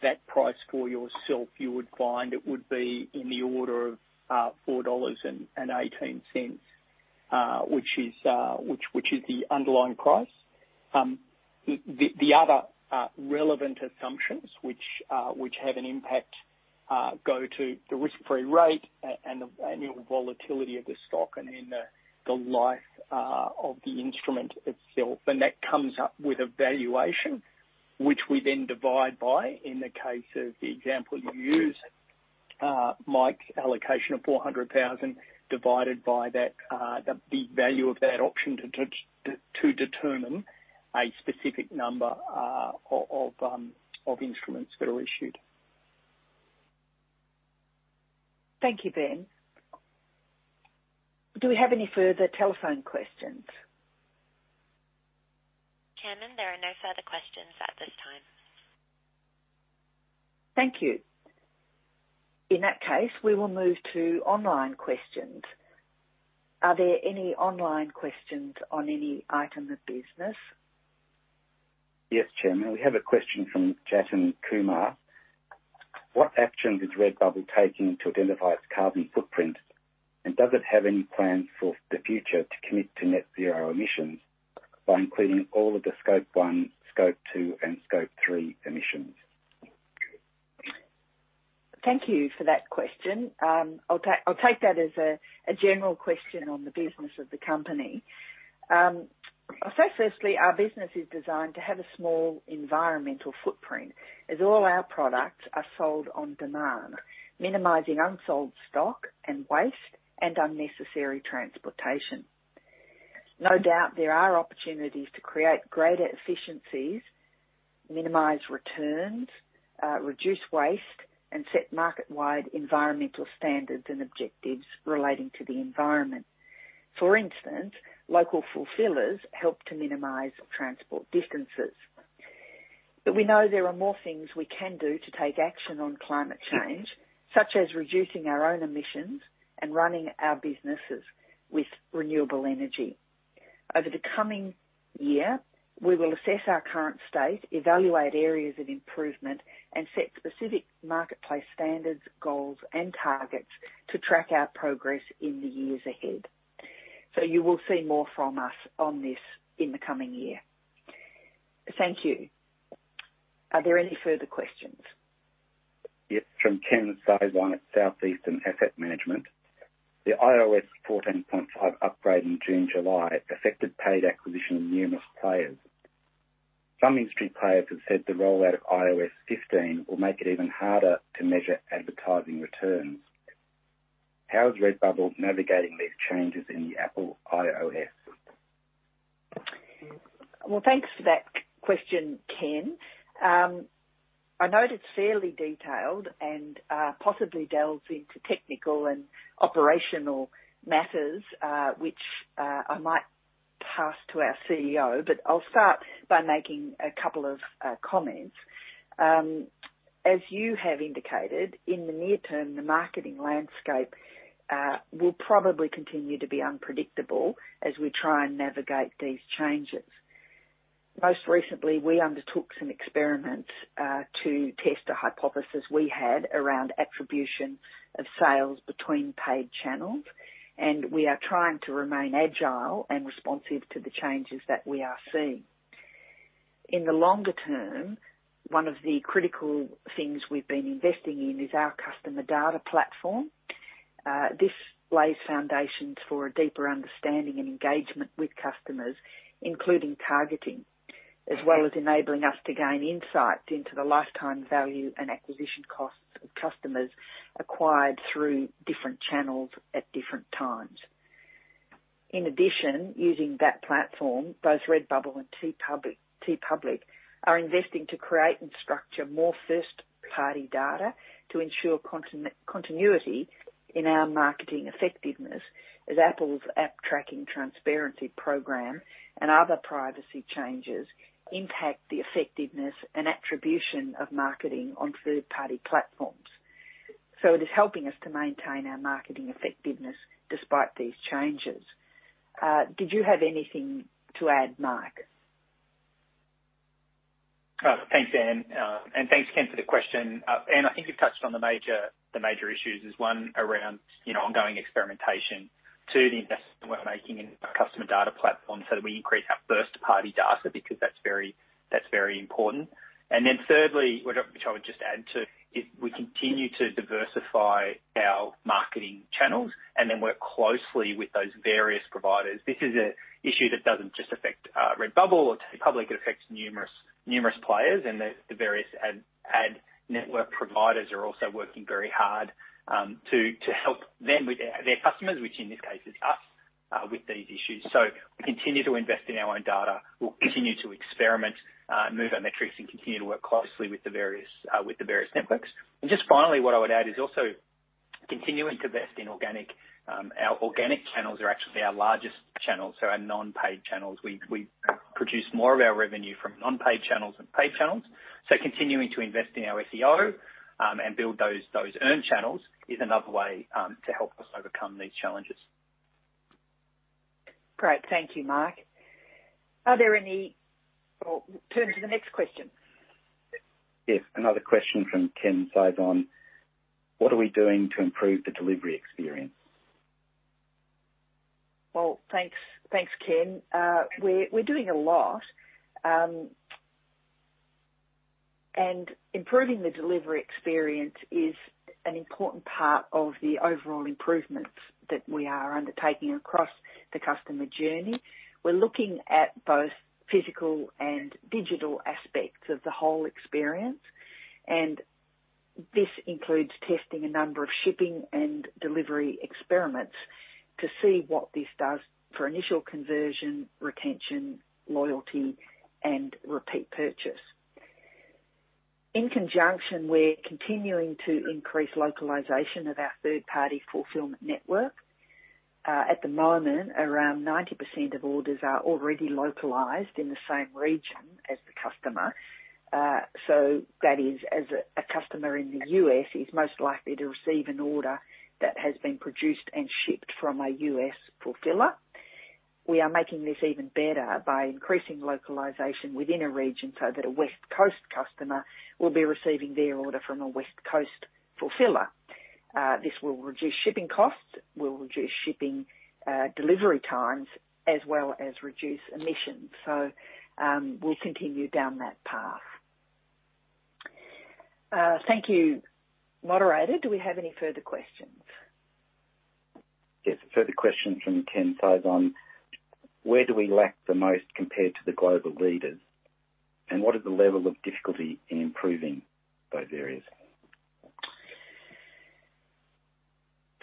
that price for yourself, you would find it would be in the order of 4.18 dollars, which is the underlying price. The other relevant assumptions which have an impact, go to the risk-free rate and the annual volatility of the stock and then the life of the instrument itself. That comes up with a valuation, which we then divide by, in the case of the example you used, Mike, allocation of 400,000 divided by the Black-Scholes value of that option to determine a specific number of instruments that are issued. Thank you, Ben. Do we have any further telephone questions? Chairman, there are no further questions at this time. Thank you. In that case, we will move to online questions. Are there any online questions on any item of business? Yes, Chairman. We have a question from Jatin Kumar. What action is Redbubble taking to identify its carbon footprint, and does it have any plans for the future to commit to net zero emissions by including all of the Scope 1, Scope 2, and Scope 3 emissions? Thank you for that question. I'll take that as a general question on the business of the company. I'll say firstly, our business is designed to have a small environmental footprint as all our products are sold on demand, minimizing unsold stock and waste and unnecessary transportation. No doubt, there are opportunities to create greater efficiencies, minimize returns, reduce waste, and set market-wide environmental standards and objectives relating to the environment. For instance, local fulfillers help to minimize transport distances. We know there are more things we can do to take action on climate change, such as reducing our own emissions and running our businesses with renewable energy. Over the coming year, we will assess our current state, evaluate areas of improvement, and set specific marketplace standards, goals, and targets to track our progress in the years ahead. You will see more from us on this in the coming year. Thank you. Are there any further questions? Yes, from Kenneth Sazon at Southeastern Asset Management. The iOS 14.5 upgrade in June, July affected paid acquisition of numerous players. Some industry players have said the rollout of iOS 15 will make it even harder to measure advertising returns. How is Redbubble navigating these changes in the Apple iOS? Well, thanks for that question, Ken. I note it's fairly detailed and possibly delves into technical and operational matters, which I might pass to our CEO, but I'll start by making a couple of comments. As you have indicated, in the near term, the marketing landscape will probably continue to be unpredictable as we try and navigate these changes. Most recently, we undertook some experiments to test a hypothesis we had around attribution of sales between paid channels, and we are trying to remain agile and responsive to the changes that we are seeing. In the longer term, one of the critical things we've been investing in is our customer data platform. This lays foundations for a deeper understanding and engagement with customers, including targeting, as well as enabling us to gain insight into the lifetime value and acquisition costs of customers acquired through different channels at different times. Using that platform, both Redbubble and TeePublic are investing to create and structure more first-party data to ensure continuity in our marketing effectiveness as Apple's App Tracking Transparency Program and other privacy changes impact the effectiveness and attribution of marketing on third-party platforms. It is helping us to maintain our marketing effectiveness despite these changes. Did you have anything to add, Mike? Thanks, Anne. Thanks, Ken, for the question. Anne, I think you've touched on the major issues, is one, around ongoing experimentation. Two, the investment we're making in our customer data platform so that we increase our first-party data, because that's very important. Thirdly, which I would just add, too, is we continue to diversify our marketing channels and then work closely with those various providers. This is an issue that doesn't just affect Redbubble or TeePublic. It affects numerous players. The various ad network providers are also working very hard to help them with their customers, which in this case is us, with these issues. We continue to invest in our own data. We'll continue to experiment, move our metrics, and continue to work closely with the various networks. Just finally, what I would add is also continuing to invest in organic. Our organic channels are actually our largest channels, so our non-paid channels. We produce more of our revenue from non-paid channels than paid channels. Continuing to invest in our SEO and build those earned channels is another way to help us overcome these challenges. Great. Thank you, Mike. Turn to the next question. Yes. Another question from Ken Sazon. What are we doing to improve the delivery experience? Well, thanks, Ken. We're doing a lot. Improving the delivery experience is an important part of the overall improvements that we are undertaking across the customer journey. We're looking at both physical and digital aspects of the whole experience, and this includes testing a number of shipping and delivery experiments to see what this does for initial conversion, retention, loyalty, and repeat purchase. In conjunction, we're continuing to increase localization of our third-party fulfillment network. At the moment, around 90% of orders are already localized in the same region as the customer. That is, as a customer in the U.S. is most likely to receive an order that has been produced and shipped from a U.S. fulfiller. We are making this even better by increasing localization within a region so that a West Coast customer will be receiving their order from a West Coast fulfiller. This will reduce shipping costs, will reduce shipping delivery times, as well as reduce emissions. We'll continue down that path. Thank you. Moderator, do we have any further questions? Yes. A further question from Ken Sazon. Where do we lack the most compared to the global leaders? What is the level of difficulty in improving those areas?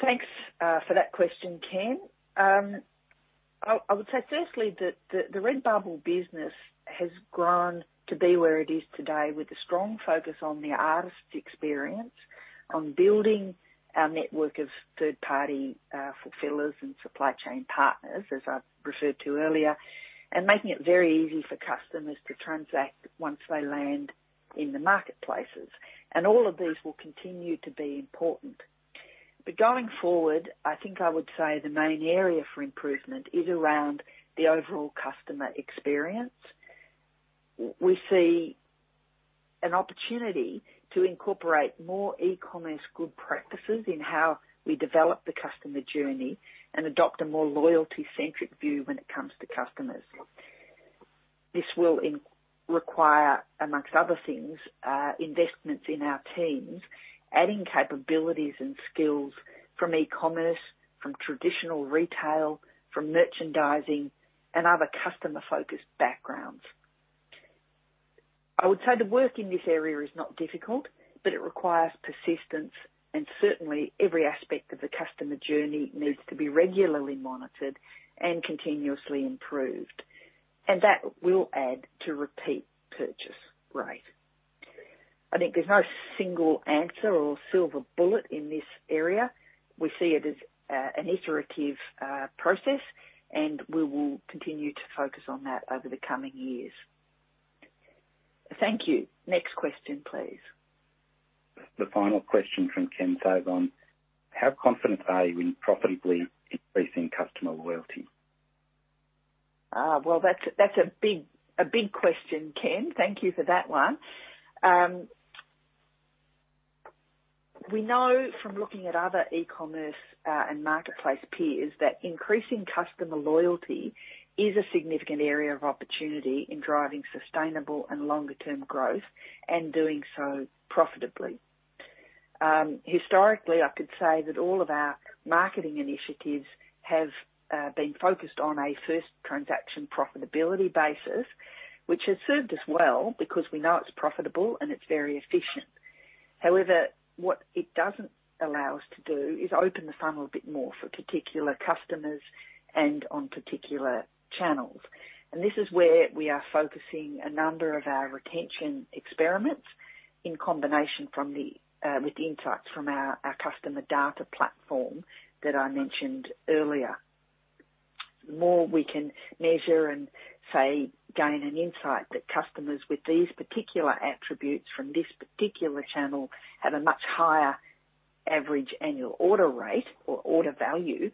Thanks for that question, Ken. I would say firstly that the Redbubble business has grown to be where it is today with a strong focus on the artist experience, on building our network of third-party fulfillers and supply chain partners, as I've referred to earlier, and making it very easy for customers to transact once they land in the marketplaces. All of these will continue to be important. Going forward, I think I would say the main area for improvement is around the overall customer experience. We see an opportunity to incorporate more e-commerce good practices in how we develop the customer journey and adopt a more loyalty-centric view when it comes to customers. This will require, amongst other things, investments in our teams, adding capabilities and skills from e-commerce, from traditional retail, from merchandising, and other customer-focused backgrounds. I would say the work in this area is not difficult, but it requires persistence, and certainly every aspect of the customer journey needs to be regularly monitored and continuously improved, and that will add to repeat purchase rate. I think there's no single answer or silver bullet in this area. We see it as an iterative process, and we will continue to focus on that over the coming years. Thank you. Next question, please. The final question from Ken Sazon. How confident are you in profitably increasing customer loyalty? Well, that's a big question, Ken. Thank you for that one. We know from looking at other e-commerce and marketplace peers that increasing customer loyalty is a significant area of opportunity in driving sustainable and longer-term growth and doing so profitably. Historically, I could say that all of our marketing initiatives have been focused on a first transaction profitability basis, which has served us well because we know it's profitable and it's very efficient. However, what it doesn't allow us to do is open the funnel a bit more for particular customers and on particular channels. This is where we are focusing a number of our retention experiments in combination with insights from our customer data platform that I mentioned earlier. The more we can measure and, say, gain an insight that customers with these particular attributes from this particular channel have a much higher average annual order rate or order value,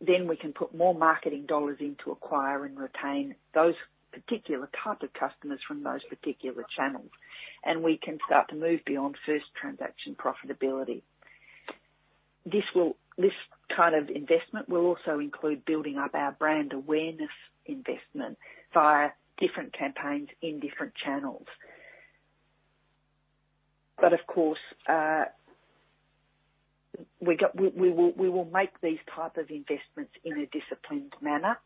then we can put more marketing dollars in to acquire and retain those particular type of customers from those particular channels. We can start to move beyond first transaction profitability. This kind of investment will also include building up our brand awareness investment via different campaigns in different channels. Of course, we will make these type of investments in a disciplined manner.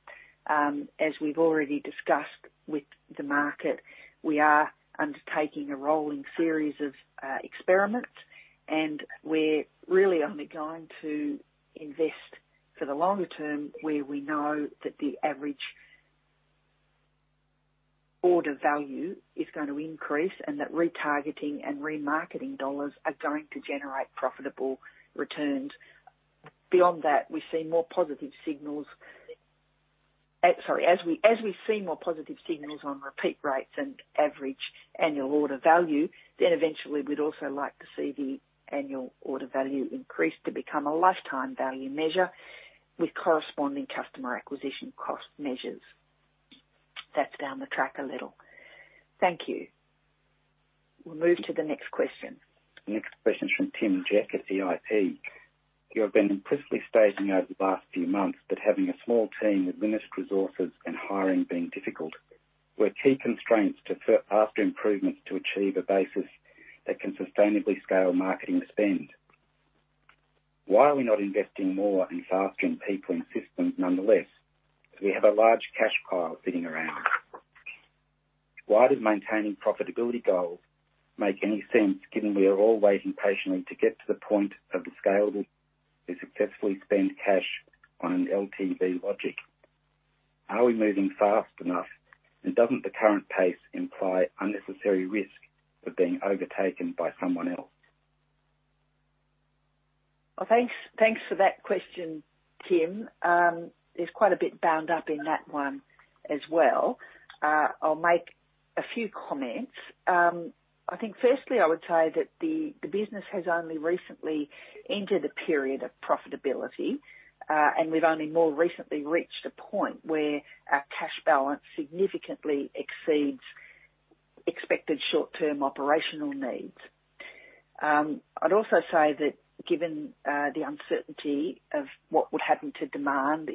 As we've already discussed with the market, we are undertaking a rolling series of experiments, and we're really only going to invest for the longer term where we know that the average order value is going to increase and that retargeting and remarketing dollars are going to generate profitable returns. Beyond that, as we see more positive signals on repeat rates and average annual order value, eventually we'd also like to see the annual order value increase to become a lifetime value measure with corresponding customer acquisition cost measures. That's down the track a little. Thank you. We'll move to the next question. The next question is from Tim Jack at EIP. You have been implicitly stating over the last few months that having a small team with limited resources and hiring being difficult, were key constraints after improvements to achieve a basis that can sustainably scale marketing spend. Why are we not investing more in fostering people and systems nonetheless, if we have a large cash pile sitting around? Why does maintaining profitability goals make any sense given we are all waiting patiently to get to the point of the scale that we successfully spend cash on an LTV logic? Doesn't the current pace imply unnecessary risk of being overtaken by someone else? Thanks for that question, Tim. There's quite a bit bound up in that one as well. I'll make a few comments. I think firstly, I would say that the business has only recently entered a period of profitability, and we've only more recently reached a point where our cash balance significantly exceeds expected short-term operational needs. I'd also say that given the uncertainty of what would happen to demand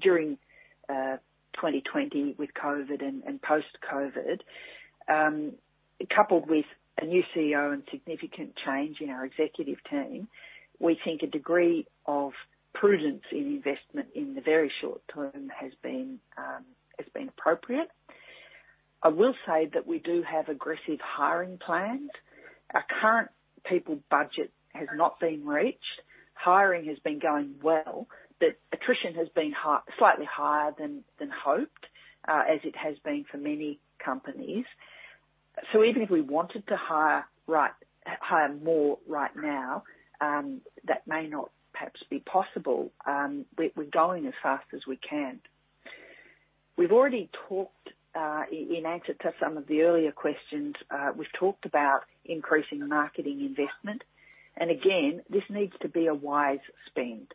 during 2020 with COVID and post-COVID, coupled with a new CEO and significant change in our executive team, we think a degree of prudence in investment in the very short term has been appropriate. I will say that we do have aggressive hiring plans. Our current people budget has not been reached. Hiring has been going well, but attrition has been slightly higher than hoped, as it has been for many companies. Even if we wanted to hire more right now, that may not perhaps be possible. We're going as fast as we can. In answer to some of the earlier questions, we've talked about increasing the marketing investment, and again, this needs to be a wise spend.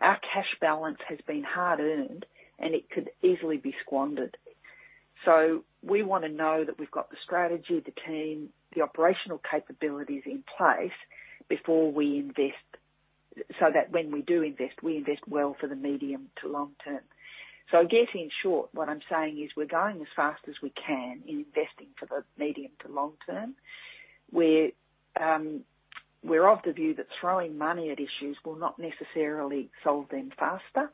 Our cash balance has been hard-earned, and it could easily be squandered. We want to know that we've got the strategy, the team, the operational capabilities in place before we invest, so that when we do invest, we invest well for the medium to long term. I guess in short, what I'm saying is we're going as fast as we can in investing for the medium to long term. We're of the view that throwing money at issues will not necessarily solve them faster,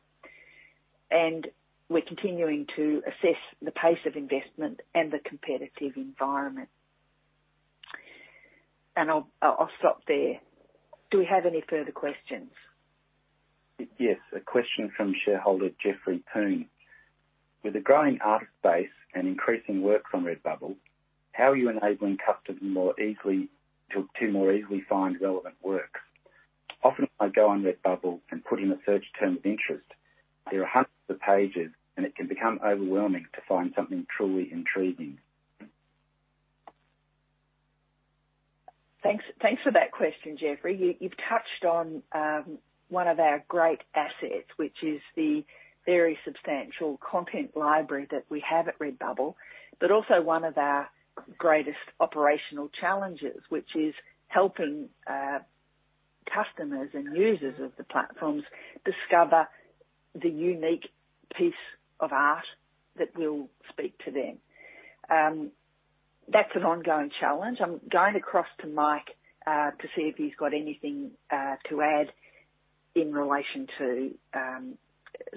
and we're continuing to assess the pace of investment and the competitive environment. I'll stop there. Do we have any further questions? A question from shareholder Jeffrey Poon. With a growing artist base and increasing work from Redbubble, how are you enabling customers to more easily find relevant work? Often I go on Redbubble and put in a search term of interest. There are hundreds of pages, and it can become overwhelming to find something truly intriguing. Thanks for that question, Jeffrey. You've touched on one of our great assets, which is the very substantial content library that we have at Redbubble, but also one of our greatest operational challenges, which is helping customers and users of the platforms discover the unique piece of art that will speak to them. That's an ongoing challenge. I'm going across to Mike to see if he's got anything to add in relation to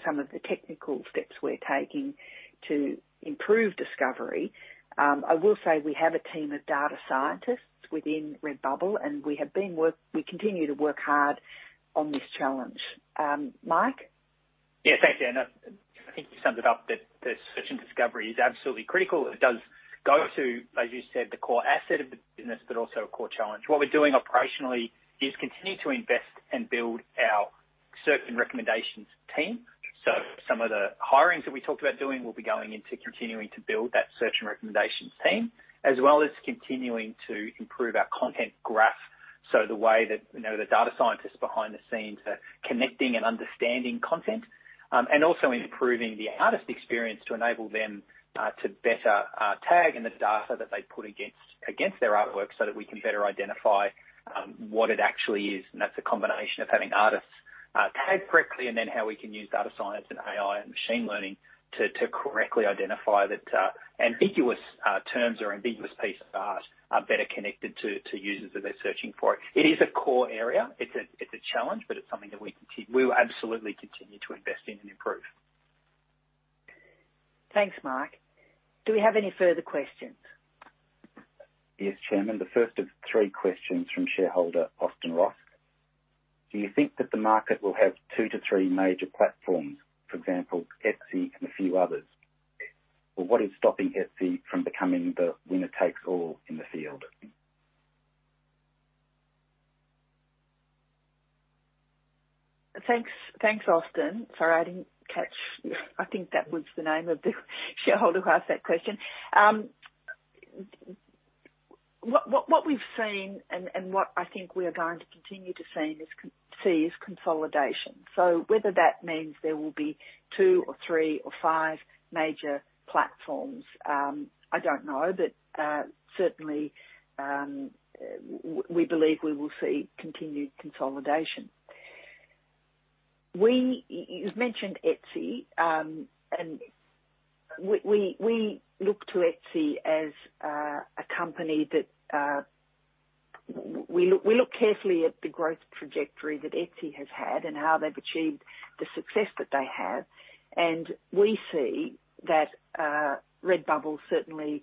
some of the technical steps we're taking to improve discovery. I will say we have a team of data scientists within Redbubble, and we continue to work hard on this challenge. Mike? Yeah. Thanks, Anne. I think you summed it up that search and discovery is absolutely critical. It does go to, as you said, the core asset of the business, but also a core challenge. What we're doing operationally is continue to invest and build our search and recommendations team. Some of the hirings that we talked about doing will be going into continuing to build that search and recommendations team, as well as continuing to improve our content graph. The way that the data scientists behind the scenes are connecting and understanding content, and also improving the artist experience to enable them to better tag in the data that they put against their artwork, so that we can better identify what it actually is. That's a combination of having artists tag correctly, and then how we can use data science and AI and machine learning to correctly identify that ambiguous terms or ambiguous pieces of art are better connected to users as they're searching for it. It is a core area. It's a challenge, but it's something that we will absolutely continue to invest in and improve. Thanks, Mike. Do we have any further questions? Yes, Chairman. The first of three questions from shareholder Austin Ross. Do you think that the market will have two to three major platforms, for example, Etsy and a few others? What is stopping Etsy from becoming the winner-takes-all in the field? Thanks, Austin. Sorry, I didn't catch. I think that was the name of the shareholder who asked that question. What we've seen and what I think we are going to continue to see is consolidation. Whether that means there will be two or three or five major platforms, I don't know. Certainly, we believe we will see continued consolidation. You've mentioned Etsy, we look to Etsy as a company. We look carefully at the growth trajectory that Etsy has had and how they've achieved the success that they have. We see that Redbubble certainly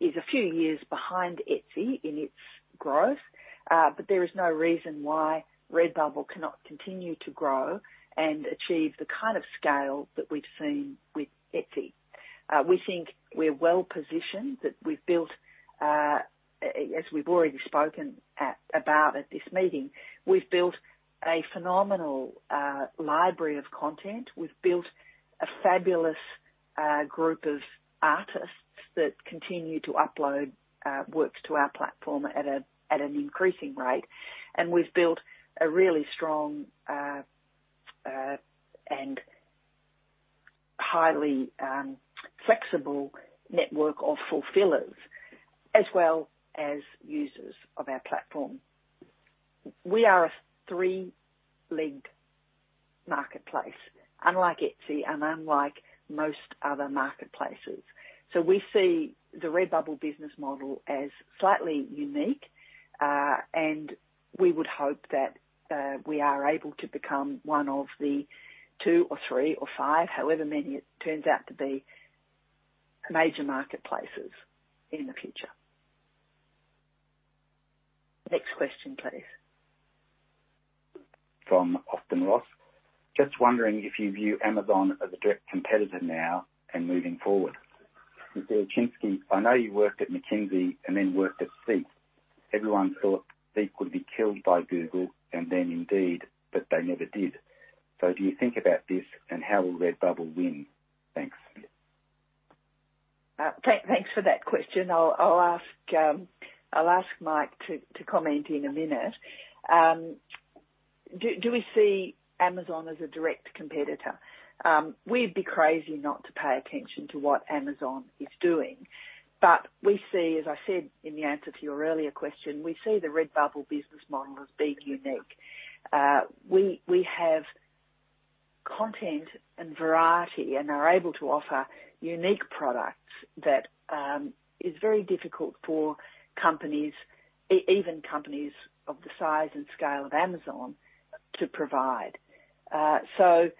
is a few years behind Etsy in its growth. There is no reason why Redbubble cannot continue to grow and achieve the kind of scale that we've seen with Etsy. We think we're well-positioned, that we've built, as we've already spoken about at this meeting, we've built a phenomenal library of content. We've built a fabulous group of artists that continue to upload works to our platform at an increasing rate. We've built a really strong and highly flexible network of fulfillers, as well as users of our platform. We are a three-legged marketplace, unlike Etsy and unlike most other marketplaces. We see the Redbubble business model as slightly unique. We would hope that we are able to become one of the two or three or five, however many it turns out to be, major marketplaces in the future. Next question, please. From Austin Ross. Just wondering if you view Amazon as a direct competitor now and moving forward. Mr. Ilczynski, I know you worked at McKinsey and then worked at SEEK. Everyone thought SEEK would be killed by Google, and then Indeed, but they never did. Do you think about this, and how will Redbubble win? Thanks. Thanks for that question. I'll ask Mike to comment in a minute. Do we see Amazon as a direct competitor? We'd be crazy not to pay attention to what Amazon is doing. We see, as I said in the answer to your earlier question, we see the Redbubble business model as being unique. We have content and variety and are able to offer unique products that is very difficult for companies, even companies of the size and scale of Amazon, to provide. I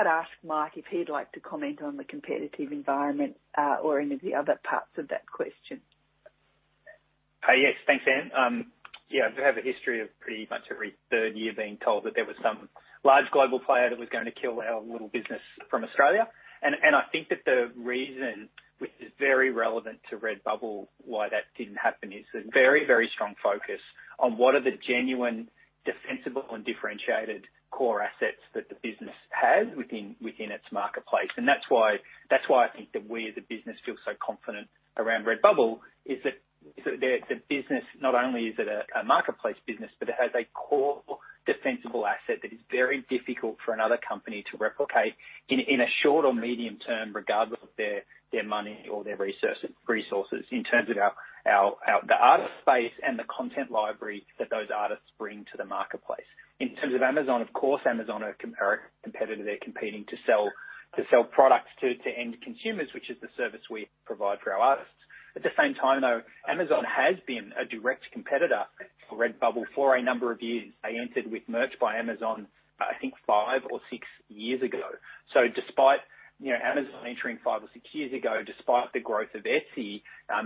might ask Mike if he'd like to comment on the competitive environment or any of the other parts of that question. Yes. Thanks, Anne. Yeah, I do have a history of pretty much every third year being told that there was some large global player that was going to kill our little business from Australia. I think that the reason, which is very relevant to Redbubble, why that didn't happen is the very, very strong focus on what are the genuine, defensible, and differentiated core assets that the business has within its marketplace. That's why I think that we as a business feel so confident around Redbubble, is that the business, not only is it a marketplace business, but it has a core defensible asset that is very difficult for another company to replicate in a short or medium-term, regardless of their money or their resources, in terms of the artist space and the content library that those artists bring to the marketplace. In terms of Amazon, of course, Amazon are a competitor. They're competing to sell products to end consumers, which is the service we provide for our artists. At the same time, though, Amazon has been a direct competitor to Redbubble for a number of years. They entered with Merch by Amazon, I think, five or six years ago. Despite Amazon entering five or six years ago, despite the growth of Etsy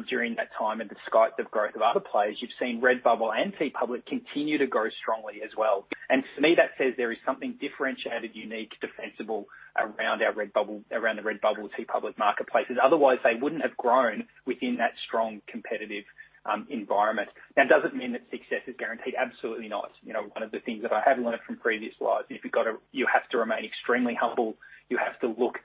during that time, and despite the growth of other players, you've seen Redbubble and TeePublic continue to grow strongly as well. To me, that says there is something differentiated, unique, defensible around the Redbubble/TeePublic marketplaces. Otherwise, they wouldn't have grown within that strong competitive environment. That doesn't mean that success is guaranteed. Absolutely not. One of the things that I have learned from previous lives, you have to remain extremely humble. You have to look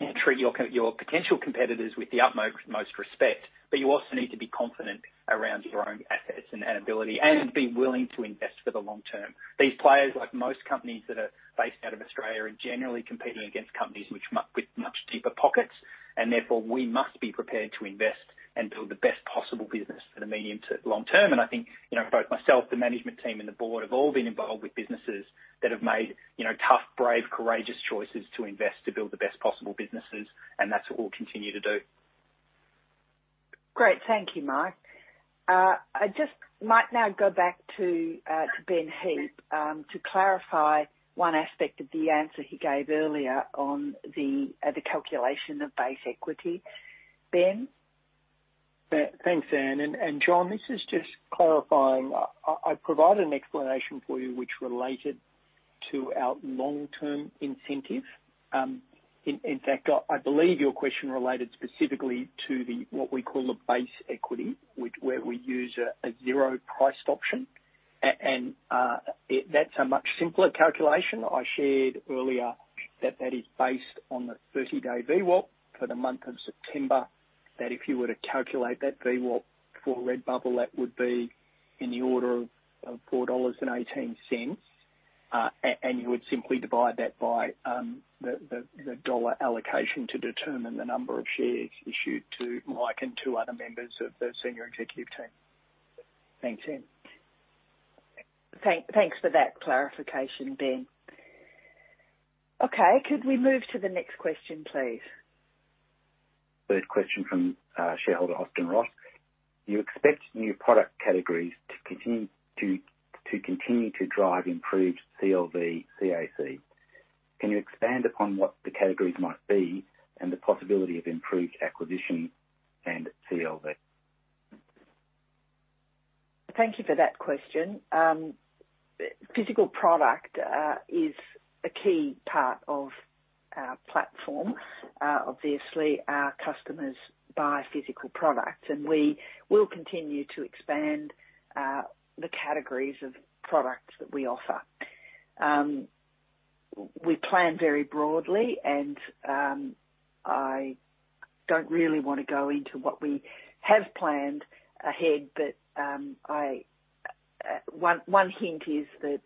and treat your potential competitors with the utmost respect, but you also need to be confident around your own assets and ability and be willing to invest for the long term. These players, like most companies that are based out of Australia, are generally competing against companies with much deeper pockets, and therefore we must be prepared to invest and build the best possible business for the medium to long term. I think, both myself, the management team, and the board have all been involved with businesses that have made tough, brave, courageous choices to invest to build the best possible businesses, and that's what we'll continue to do. Great. Thank you, Mike. I just might now go back to Ben Heap to clarify one aspect of the answer he gave earlier on the calculation of base equity. Ben? Thanks, Anne, and John, this is just clarifying. I provided an explanation for you which related to our long-term incentive. In fact, I believe your question related specifically to what we call the base equity, where we use a zero-priced option. That's a much simpler calculation. I shared earlier that is based on the 30-day VWAP for the month of September, that if you were to calculate that VWAP for Redbubble, that would be in the order of 4.18 dollars. You would simply divide that by the dollar allocation to determine the number of shares issued to Michael and two other members of the senior executive team. Thanks. Thanks for that clarification, Ben. Okay. Could we move to the next question, please? Third question from shareholder Austin Ross. You expect new product categories to continue to drive improved CLV, CAC. Can you expand upon what the categories might be and the possibility of improved acquisition and CLV? Thank you for that question. Physical product is a key part of our platform. Obviously, our customers buy physical products, and we will continue to expand the categories of products that we offer. We plan very broadly, and I don't really want to go into what we have planned ahead, but 1 hint is that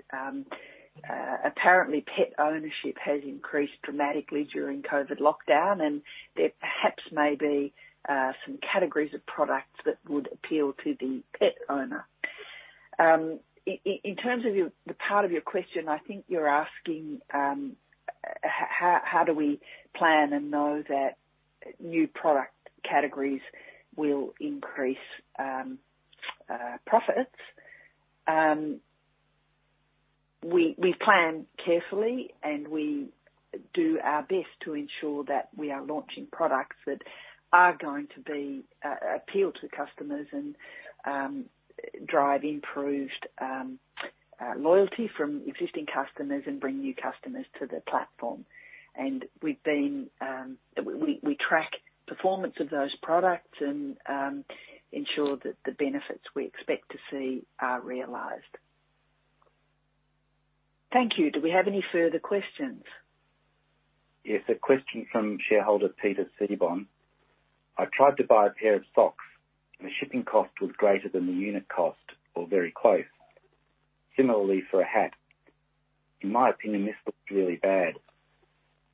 apparently pet ownership has increased dramatically during COVID lockdown, and there perhaps may be some categories of products that would appeal to the pet owner. In terms of the part of your question, I think you're asking, how do we plan and know that new product categories will increase profits? We plan carefully, and we do our best to ensure that we are launching products that are going to appeal to customers and drive improved loyalty from existing customers and bring new customers to the platform. We track performance of those products and ensure that the benefits we expect to see are realized. Thank you. Do we have any further questions? Yes. A question from Shareholder [Peter Citybon]. I tried to buy a pair of socks, and the shipping cost was greater than the unit cost or very close. Similarly for a hat. In my opinion, this looks really bad.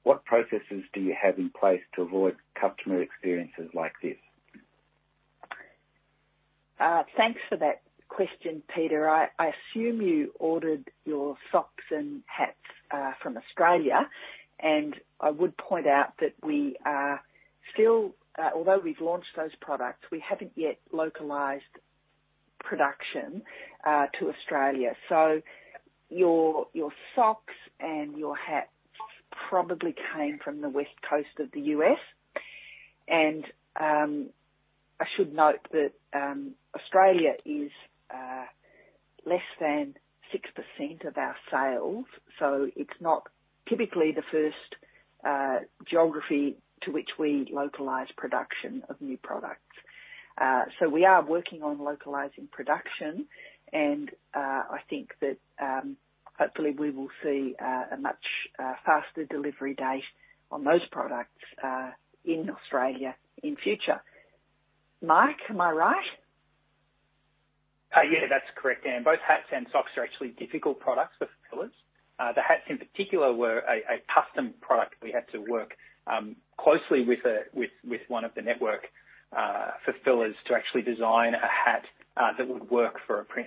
What processes do you have in place to avoid customer experiences like this? Thanks for that question, Peter. I assume you ordered your socks and hats from Australia. I would point out that although we've launched those products, we haven't yet localized production to Australia. Your socks and your hat probably came from the West Coast of the U.S. I should note that Australia is less than 6% of our sales. It's not typically the first geography to which we localize production of new products. We are working on localizing production. I think that hopefully we will see a much faster delivery date on those products in Australia in future. Mike, am I right? Yeah, that's correct. Both hats and socks are actually difficult products for fulfillers. The hats in particular were a custom product. We had to work closely with one of the network fulfillers to actually design a hat that would work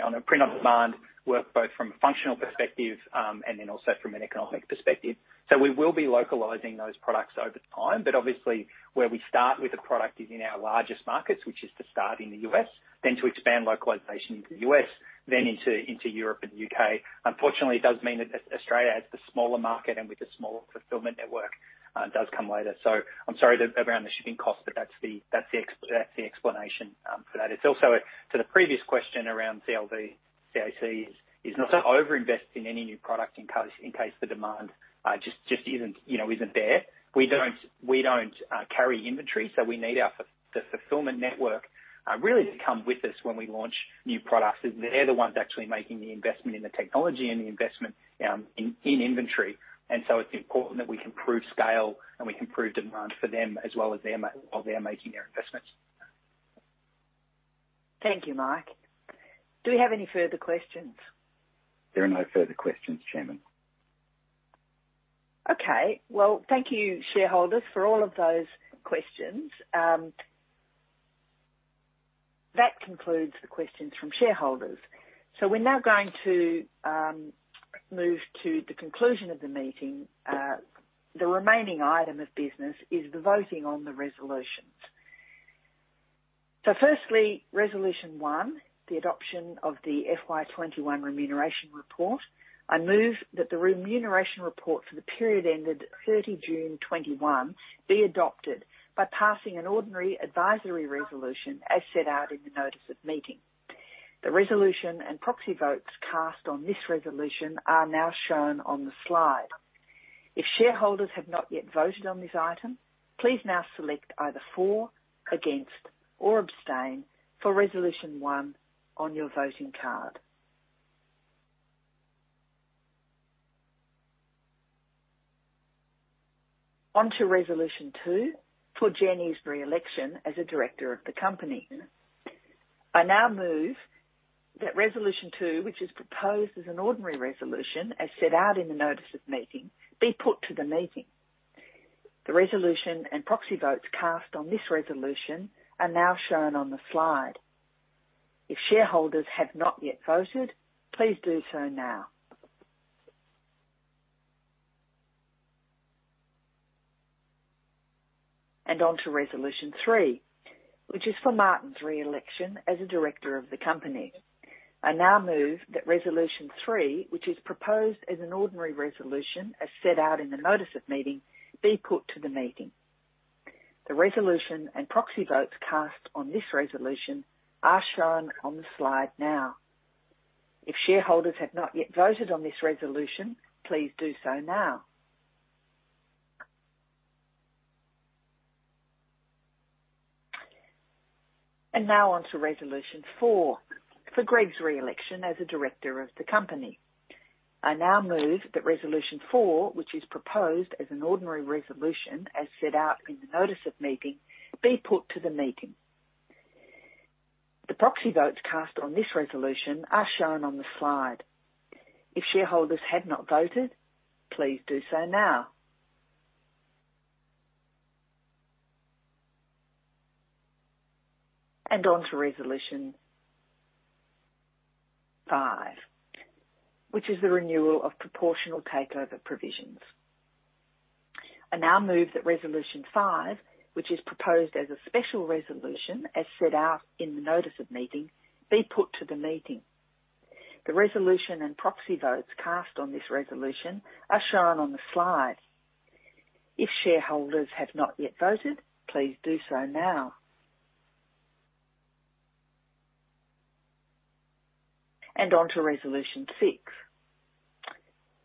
on a print-on-demand work, both from a functional perspective and then also from an economic perspective. We will be localizing those products over time. Obviously, where we start with the product is in our largest markets, which is to start in the U.S., then to expand localization into the U.S., then into Europe and the U.K. Unfortunately, it does mean that Australia, as the smaller market and with a smaller fulfillment network, does come later. I'm sorry around the shipping cost, but that's the explanation for that. To the previous question around CLV, CAC is not to overinvest in any new product in case the demand just isn't there. We don't carry inventory, so we need the fulfillment network really to come with us when we launch new products, as they're the ones actually making the investment in the technology and the investment in inventory. So it's important that we can prove scale, and we can prove demand for them as well as they're making their investments. Thank you, Mike. Do we have any further questions? There are no further questions, Chairman. Okay. Well, thank you, shareholders, for all of those questions. That concludes the questions from shareholders. We're now going to move to the conclusion of the meeting. The remaining item of business is the voting on the resolutions. Firstly, resolution one, the adoption of the FY 2021 remuneration report. I move that the remuneration report for the period ended 30 June 2021 be adopted by passing an ordinary advisory resolution as set out in the notice of meeting. The resolution and proxy votes cast on this resolution are now shown on the slide. If shareholders have not yet voted on this item, please now select either for, against, or abstain for resolution one on your voting card. On to resolution two for Jenny Macdonald's re-election as a director of the company. I now move that resolution two, which is proposed as an ordinary resolution as set out in the notice of meeting, be put to the meeting. The resolution and proxy votes cast on this resolution are now shown on the slide. If shareholders have not yet voted, please do so now. On to resolution three, which is for Martin's re-election as a director of the company. I now move that resolution three, which is proposed as an ordinary resolution as set out in the notice of meeting, be put to the meeting. The resolution and proxy votes cast on this resolution are shown on the slide now. If shareholders have not yet voted on this resolution, please do so now. Now on to resolution four for Greg's re-election as a director of the company. I now move that resolution four, which is proposed as an ordinary resolution as set out in the notice of meeting, be put to the meeting. The proxy votes cast on this resolution are shown on the slide. If shareholders have not voted, please do so now. On to resolution five, which is the renewal of proportional takeover provisions. I now move that resolution five, which is proposed as a special resolution as set out in the notice of meeting, be put to the meeting. The resolution and proxy votes cast on this resolution are shown on the slide. If shareholders have not yet voted, please do so now. On to resolution six,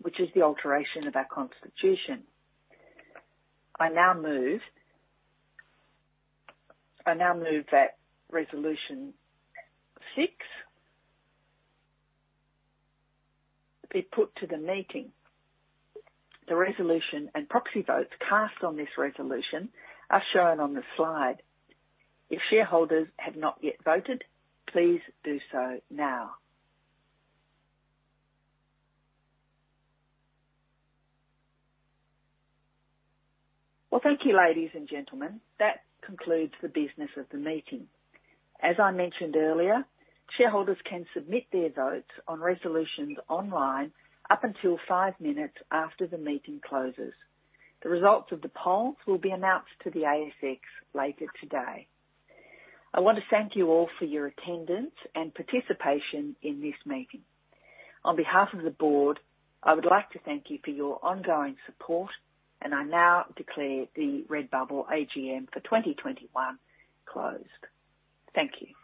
which is the alteration of our constitution. I now move that resolution six be put to the meeting. The resolution and proxy votes cast on this resolution are shown on the slide. If shareholders have not yet voted, please do so now. Well, thank you, ladies and gentlemen. That concludes the business of the meeting. As I mentioned earlier, shareholders can submit their votes on resolutions online up until five minutes after the meeting closes. The results of the polls will be announced to the ASX later today. I want to thank you all for your attendance and participation in this meeting. On behalf of the board, I would like to thank you for your ongoing support, and I now declare the Redbubble AGM for 2021 closed. Thank you.